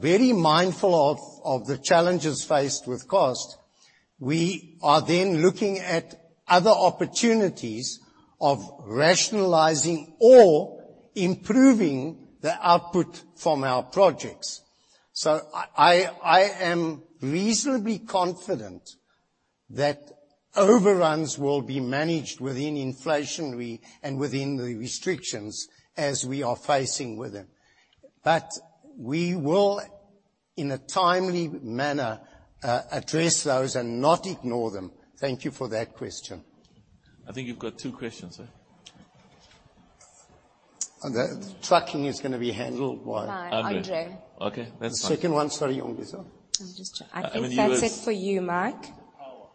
Very mindful of the challenges faced with cost, we are then looking at other opportunities of rationalizing or improving the output from our projects. I am reasonably confident that overruns will be managed within inflationary and within the restrictions as we are facing with them. We will, in a timely manner, address those and not ignore them. Thank you for that question. I think you've got two questions, sir. The trucking is gonna be handled by. By Andre. Andre. Okay, that's fine. The second one, sorry, Jongisa. I'm just check- And when you were s- I think that's it for you, Mike. Power.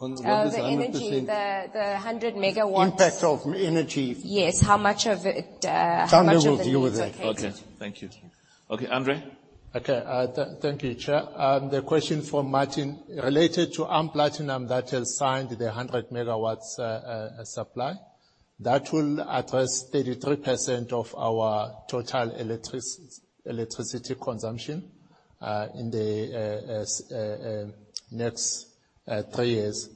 On the, the 100%- The energy. The 100 MW. Impact of energy. Yes. How much of it is okay to- Andre will deal with it. Okay. Thank you. Thank you. Okay, Andre? Okay. Thank you, Chair. The question from Martin related to ARM Platinum that has signed the 100 MW supply. That will address 33% of our total electricity consumption in the next three years.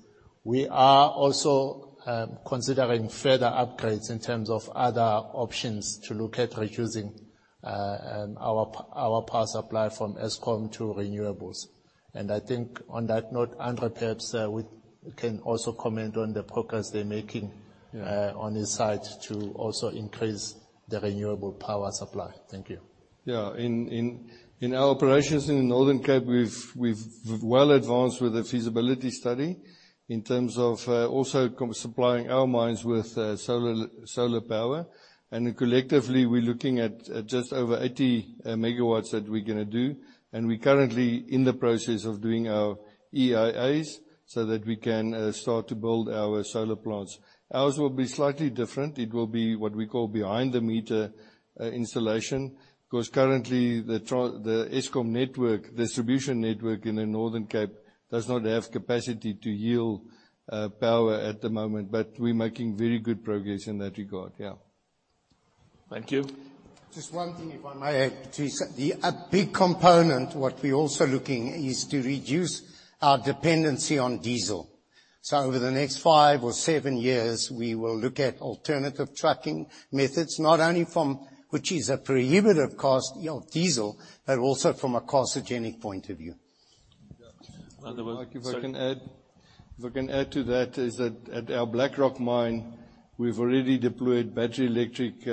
We are also considering further upgrades in terms of other options to look at reducing our power supply from Eskom to renewables. I think on that note, Andre perhaps we can also comment on the progress they're making on his side to also increase the renewable power supply. Thank you. Yeah. In our operations in the Northern Cape, we've well advanced with the feasibility study in terms of also supplying our mines with solar power. Collectively, we're looking at just over 80 MW that we're gonna do. We're currently in the process of doing our EIAs so that we can start to build our solar plants. Ours will be slightly different. It will be what we call behind the meter installation. 'Cause currently the Eskom network, distribution network in the Northern Cape does not have capacity to yield power at the moment. But we're making very good progress in that regard. Yeah. Thank you. Just one thing, if I may. A big component what we're also looking at is to reduce our dependency on diesel. Over the next five or seven years, we will look at alternative trucking methods. Not only from the prohibitive cost of diesel, but also from a carcinogenic point of view. Andre, sorry. Mike, if I can add to that, is that at our Black Rock mine, we've already deployed battery electric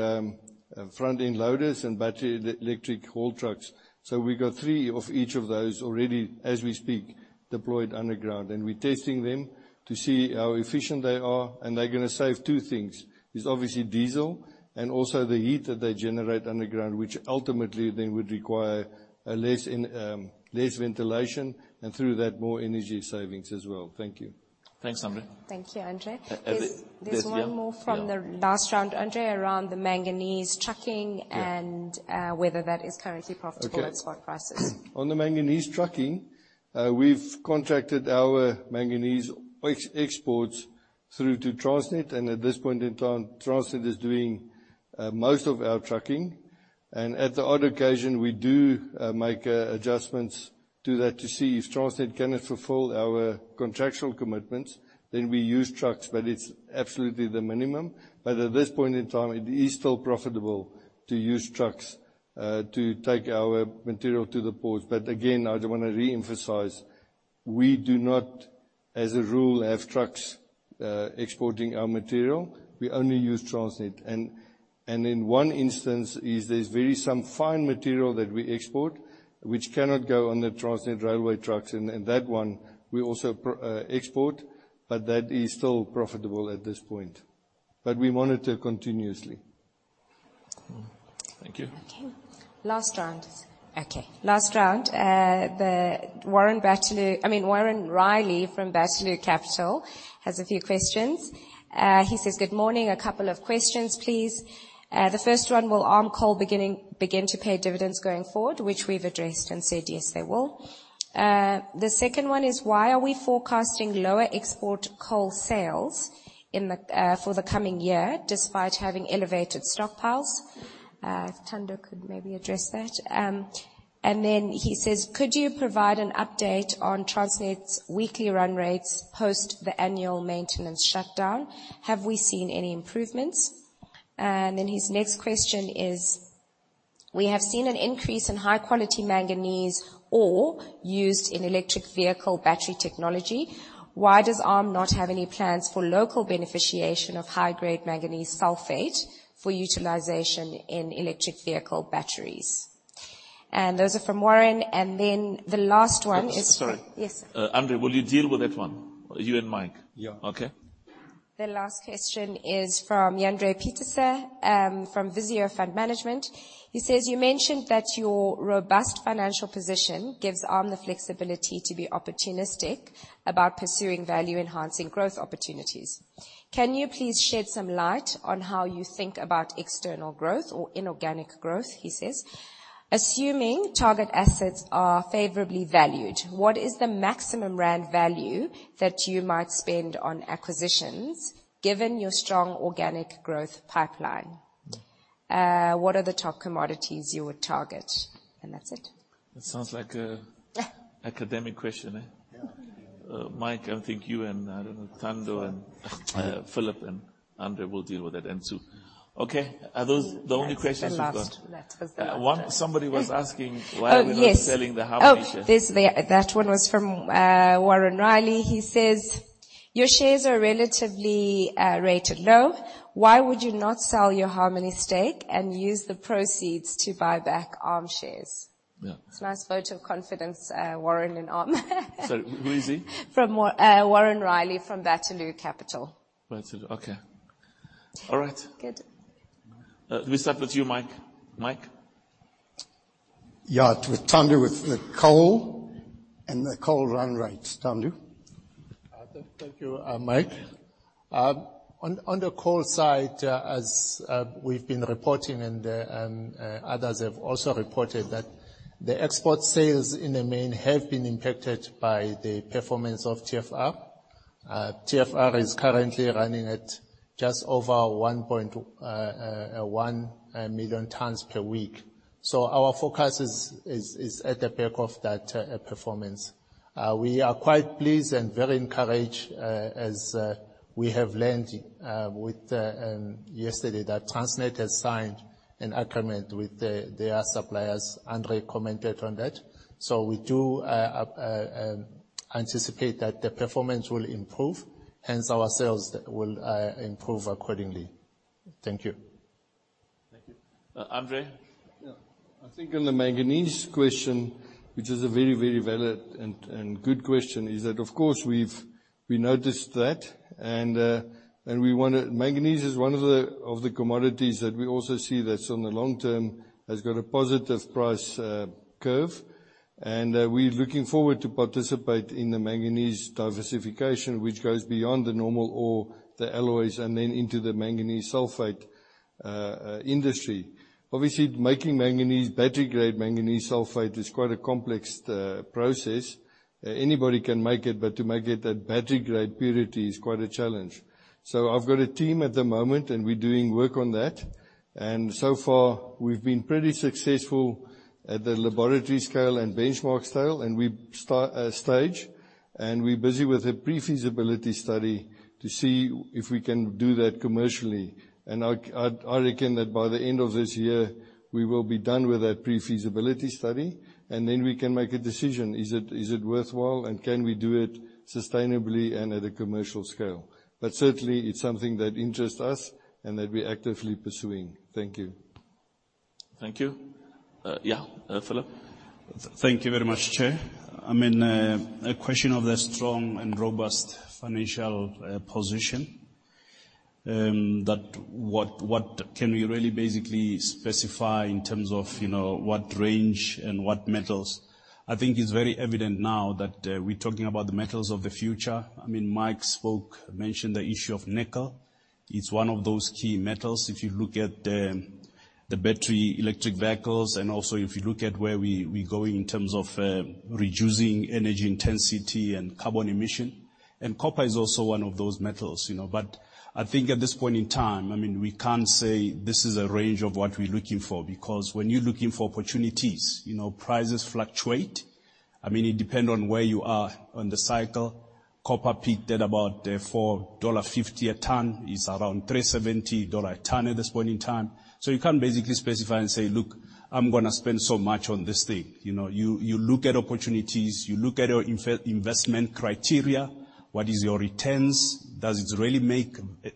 front end loaders and battery electric haul trucks. We got three of each of those already, as we speak, deployed underground. We're testing them to see how efficient they are, and they're gonna save two things. It's obviously diesel and also the heat that they generate underground, which ultimately then would require less ventilation, and through that, more energy savings as well. Thank you. Thanks, Andre. Thank you, Andre. Uh, at the- There's one more from the last round, Andre, around the manganese trucking. Yeah... whether that is currently profitable at spot prices. Okay. On the manganese trucking, we've contracted our manganese exports through to Transnet, and at this point in time, Transnet is doing most of our trucking. At the odd occasion, we do make adjustments to that to see if Transnet cannot fulfill our contractual commitments, then we use trucks, but it's absolutely the minimum. At this point in time, it is still profitable to use trucks to take our material to the ports. Again, I just wanna reemphasize, we do not, as a rule, have trucks exporting our material, we only use Transnet. In one instance, there's some very fine material that we export which cannot go on the Transnet railway trucks, and that one we also export, but that is still profitable at this point. We monitor continuously. Thank you. Okay, last round. Warren Riley from Bateleur Capital has a few questions. He says, "Good morning. A couple of questions, please. The first one, will ARM Coal begin to pay dividends going forward?" Which we've addressed and said, yes, they will. The second one is, why are we forecasting lower export coal sales in FY for the coming year despite having elevated stockpiles? Thando could maybe address that. He says, "Could you provide an update on Transnet's weekly run rates post the annual maintenance shutdown? Have we seen any improvements?" His next question is, "We have seen an increase in high-quality manganese ore used in electric vehicle battery technology. Why does ARM not have any plans for local beneficiation of high-grade manganese sulfate for utilization in electric vehicle batteries?" Those are from Warren. The last one is. Sorry. Yes. Andre, will you deal with that one, you and Mike? Yeah. Okay. The last question is from Jandre Pieterse from Visio Fund Management. He says, "You mentioned that your robust financial position gives ARM the flexibility to be opportunistic about pursuing value-enhancing growth opportunities. Can you please shed some light on how you think about external growth or inorganic growth?" He says. "Assuming target assets are favorably valued, what is the maximum rand value that you might spend on acquisitions, given your strong organic growth pipeline? What are the top commodities you would target?" And that's it. That sounds like a- Yeah Academic question, eh? Yeah. Mike, I think you and, I don't know, Thando and, Philip and Andre will deal with that, and Sue. Okay. Are those the only questions we've got? That's the last. That was the last one. Somebody was asking why. Oh, yes. We're not selling the Harmony shares. That one was from Warren Riley. He says, "Your shares are relatively rated low. Why would you not sell your Harmony stake and use the proceeds to buy back ARM shares? Yeah. It's a nice vote of confidence, Warren, in ARM. Sorry, who is he? From Warren Riley from Bateleur Capital. Bateleur, okay. All right. Good. We start with you, Mike. Mike? Yeah. With Thando with the coal and the coal run rates. Thando. Thank you, Mike. On the coal side, as we've been reporting and others have also reported that the export sales in the main have been impacted by the performance of TFR. TFR is currently running at just over 1.1 million tons per week. Our focus is at the back of that performance. We are quite pleased and very encouraged, as we have learned yesterday that Transnet has signed an agreement with their suppliers. Andre commented on that. We do anticipate that the performance will improve, hence our sales will improve accordingly. Thank you. Thank you. Andre. Yeah. I think in the manganese question, which is a very, very valid and good question, is that of course we noticed that and manganese is one of the commodities that we also see that's on the long term has got a positive price curve. We're looking forward to participate in the manganese diversification, which goes beyond the normal ore, the alloys, and then into the manganese sulfate industry. Obviously making manganese, battery-grade manganese sulfate is quite a complex process. Anybody can make it, but to make it at battery-grade purity is quite a challenge. I've got a team at the moment, and we're doing work on that. We've been pretty successful at the laboratory scale and benchmark scale, and we stage, and we're busy with a pre-feasibility study to see if we can do that commercially. I reckon that by the end of this year we will be done with that pre-feasibility study, and then we can make a decision. Is it worthwhile, and can we do it sustainably and at a commercial scale? Certainly it's something that interests us and that we're actively pursuing. Thank you. Thank you. Yeah. Philip. Thank you very much, Chair. I mean, a question of the strong and robust financial position, that what can we really basically specify in terms of, you know, what range and what metals? I think it's very evident now that we're talking about the metals of the future. I mean, Mike spoke, mentioned the issue of nickel. It's one of those key metals if you look at the battery electric vehicles, and also if you look at where we're going in terms of reducing energy intensity and carbon emission. Copper is also one of those metals, you know. I think at this point in time, I mean, we can't say this is a range of what we're looking for, because when you're looking for opportunities, you know, prices fluctuate. I mean, it depend on where you are on the cycle. Copper peaked at about $4.50 a ton. It's around $3.70 a ton at this point in time. You can't basically specify and say, "Look, I'm gonna spend so much on this thing. You know, you look at opportunities, you look at your investment criteria. What is your returns? Does it really make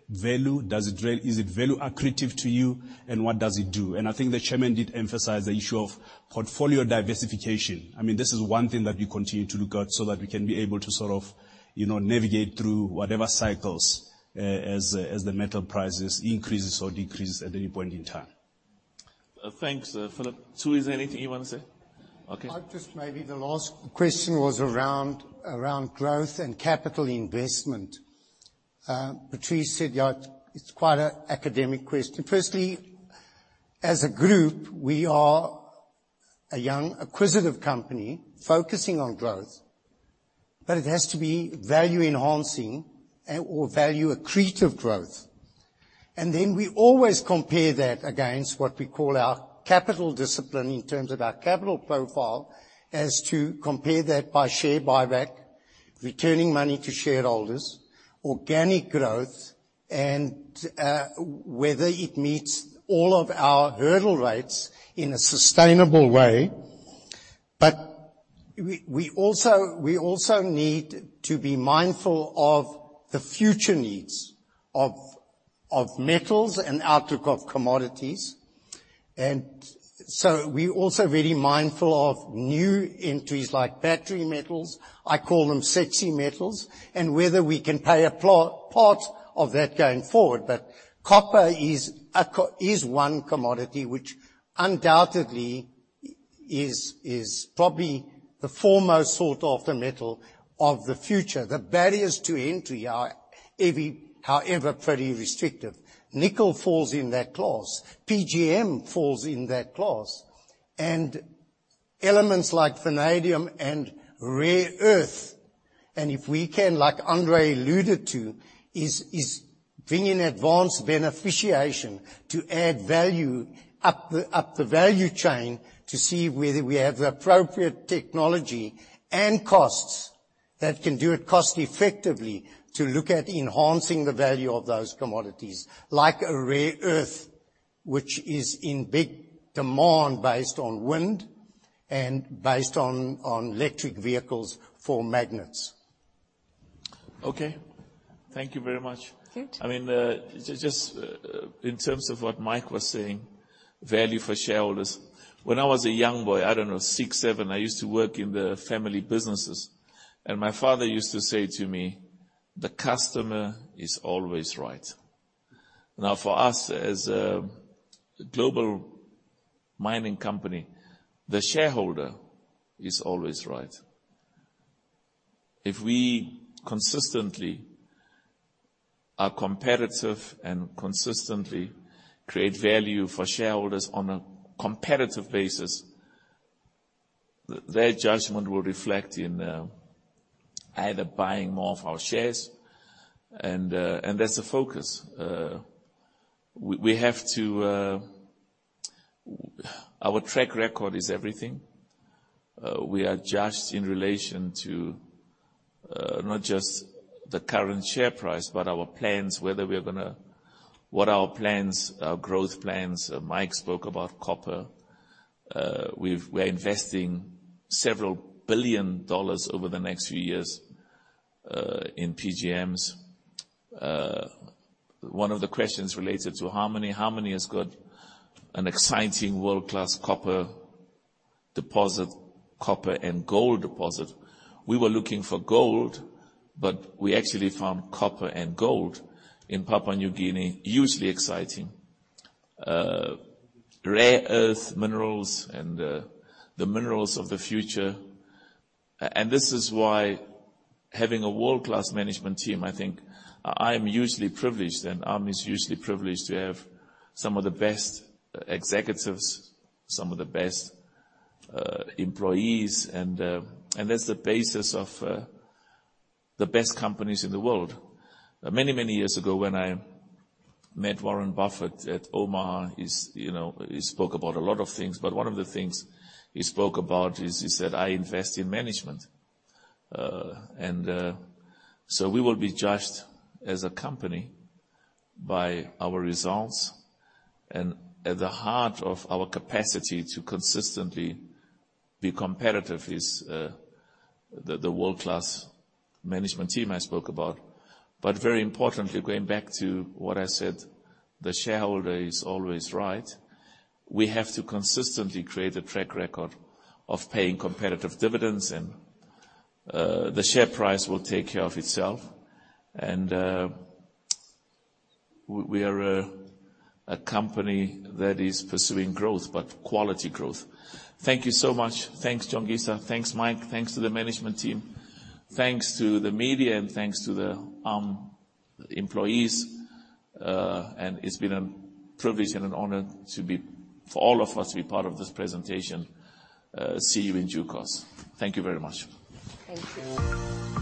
value? Is it value accretive to you? And what does it do? And I think the chairman did emphasize the issue of portfolio diversification. I mean, this is one thing that we continue to look at so that we can be able to sort of, you know, navigate through whatever cycles, as the metal prices increases or decreases at any point in time. Thanks, Philip. Sue, is there anything you wanna say? Okay. I'll just maybe the last question was around growth and capital investment. Patrice said, yeah, it's quite an academic question. Firstly, as a group, we are a young, acquisitive company focusing on growth, but it has to be value enhancing and/or value accretive growth. We always compare that against what we call our capital discipline in terms of our capital profile as to compare that by share buyback, returning money to shareholders, organic growth, and whether it meets all of our hurdle rates in a sustainable way. We also need to be mindful of the future needs of metals and outlook of commodities. We're also very mindful of new entries like battery metals, I call them sexy metals, and whether we can play a part of that going forward. Copper is one commodity which undoubtedly is probably the foremost sought after metal of the future. The barriers to entry are very, however, pretty restrictive. Nickel falls in that class. PGM falls in that class. Elements like vanadium and rare earth, and if we can, like Andre alluded to, is bringing advanced beneficiation to add value up the value chain to see whether we have the appropriate technology and costs that can do it cost-effectively to look at enhancing the value of those commodities. Like a rare earth, which is in big demand based on wind and based on electric vehicles for magnets. Okay. Thank you very much. Good. I mean, just in terms of what Mike was saying, value for shareholders. When I was a young boy, I don't know, six, seven, I used to work in the family businesses, and my father used to say to me, "The customer is always right." Now, for us, as a global mining company, the shareholder is always right. If we consistently are competitive and consistently create value for shareholders on a competitive basis, their judgment will reflect in either buying more of our shares and that's the focus. We have to. Our track record is everything. We are judged in relation to not just the current share price, but our plans, what our plans, our growth plans. Mike spoke about copper. We're investing several billion dollars over the next few years in PGMs. One of the questions related to how many. How many has got an exciting world-class copper deposit, copper and gold deposit. We were looking for gold, but we actually found copper and gold in Papua New Guinea. Hugely exciting. Rare earth minerals and the minerals of the future. This is why having a world-class management team, I think I'm hugely privileged and ARM is hugely privileged to have some of the best executives, some of the best employees, and that's the basis of the best companies in the world. Many years ago, when I met Warren Buffett at Omaha, he's, you know, he spoke about a lot of things, but one of the things he spoke about is that I invest in management. We will be judged as a company by our results. At the heart of our capacity to consistently be competitive is the world-class management team I spoke about. Very importantly, going back to what I said, the shareholder is always right. We have to consistently create a track record of paying competitive dividends, and the share price will take care of itself. We are a company that is pursuing growth, but quality growth. Thank you so much. Thanks, Jongisa. Thanks, Mike. Thanks to the management team. Thanks to the media, and thanks to the ARM employees. It's been a privilege and an honor to be, for all of us to be part of this presentation. See you in due course. Thank you very much. Thank you.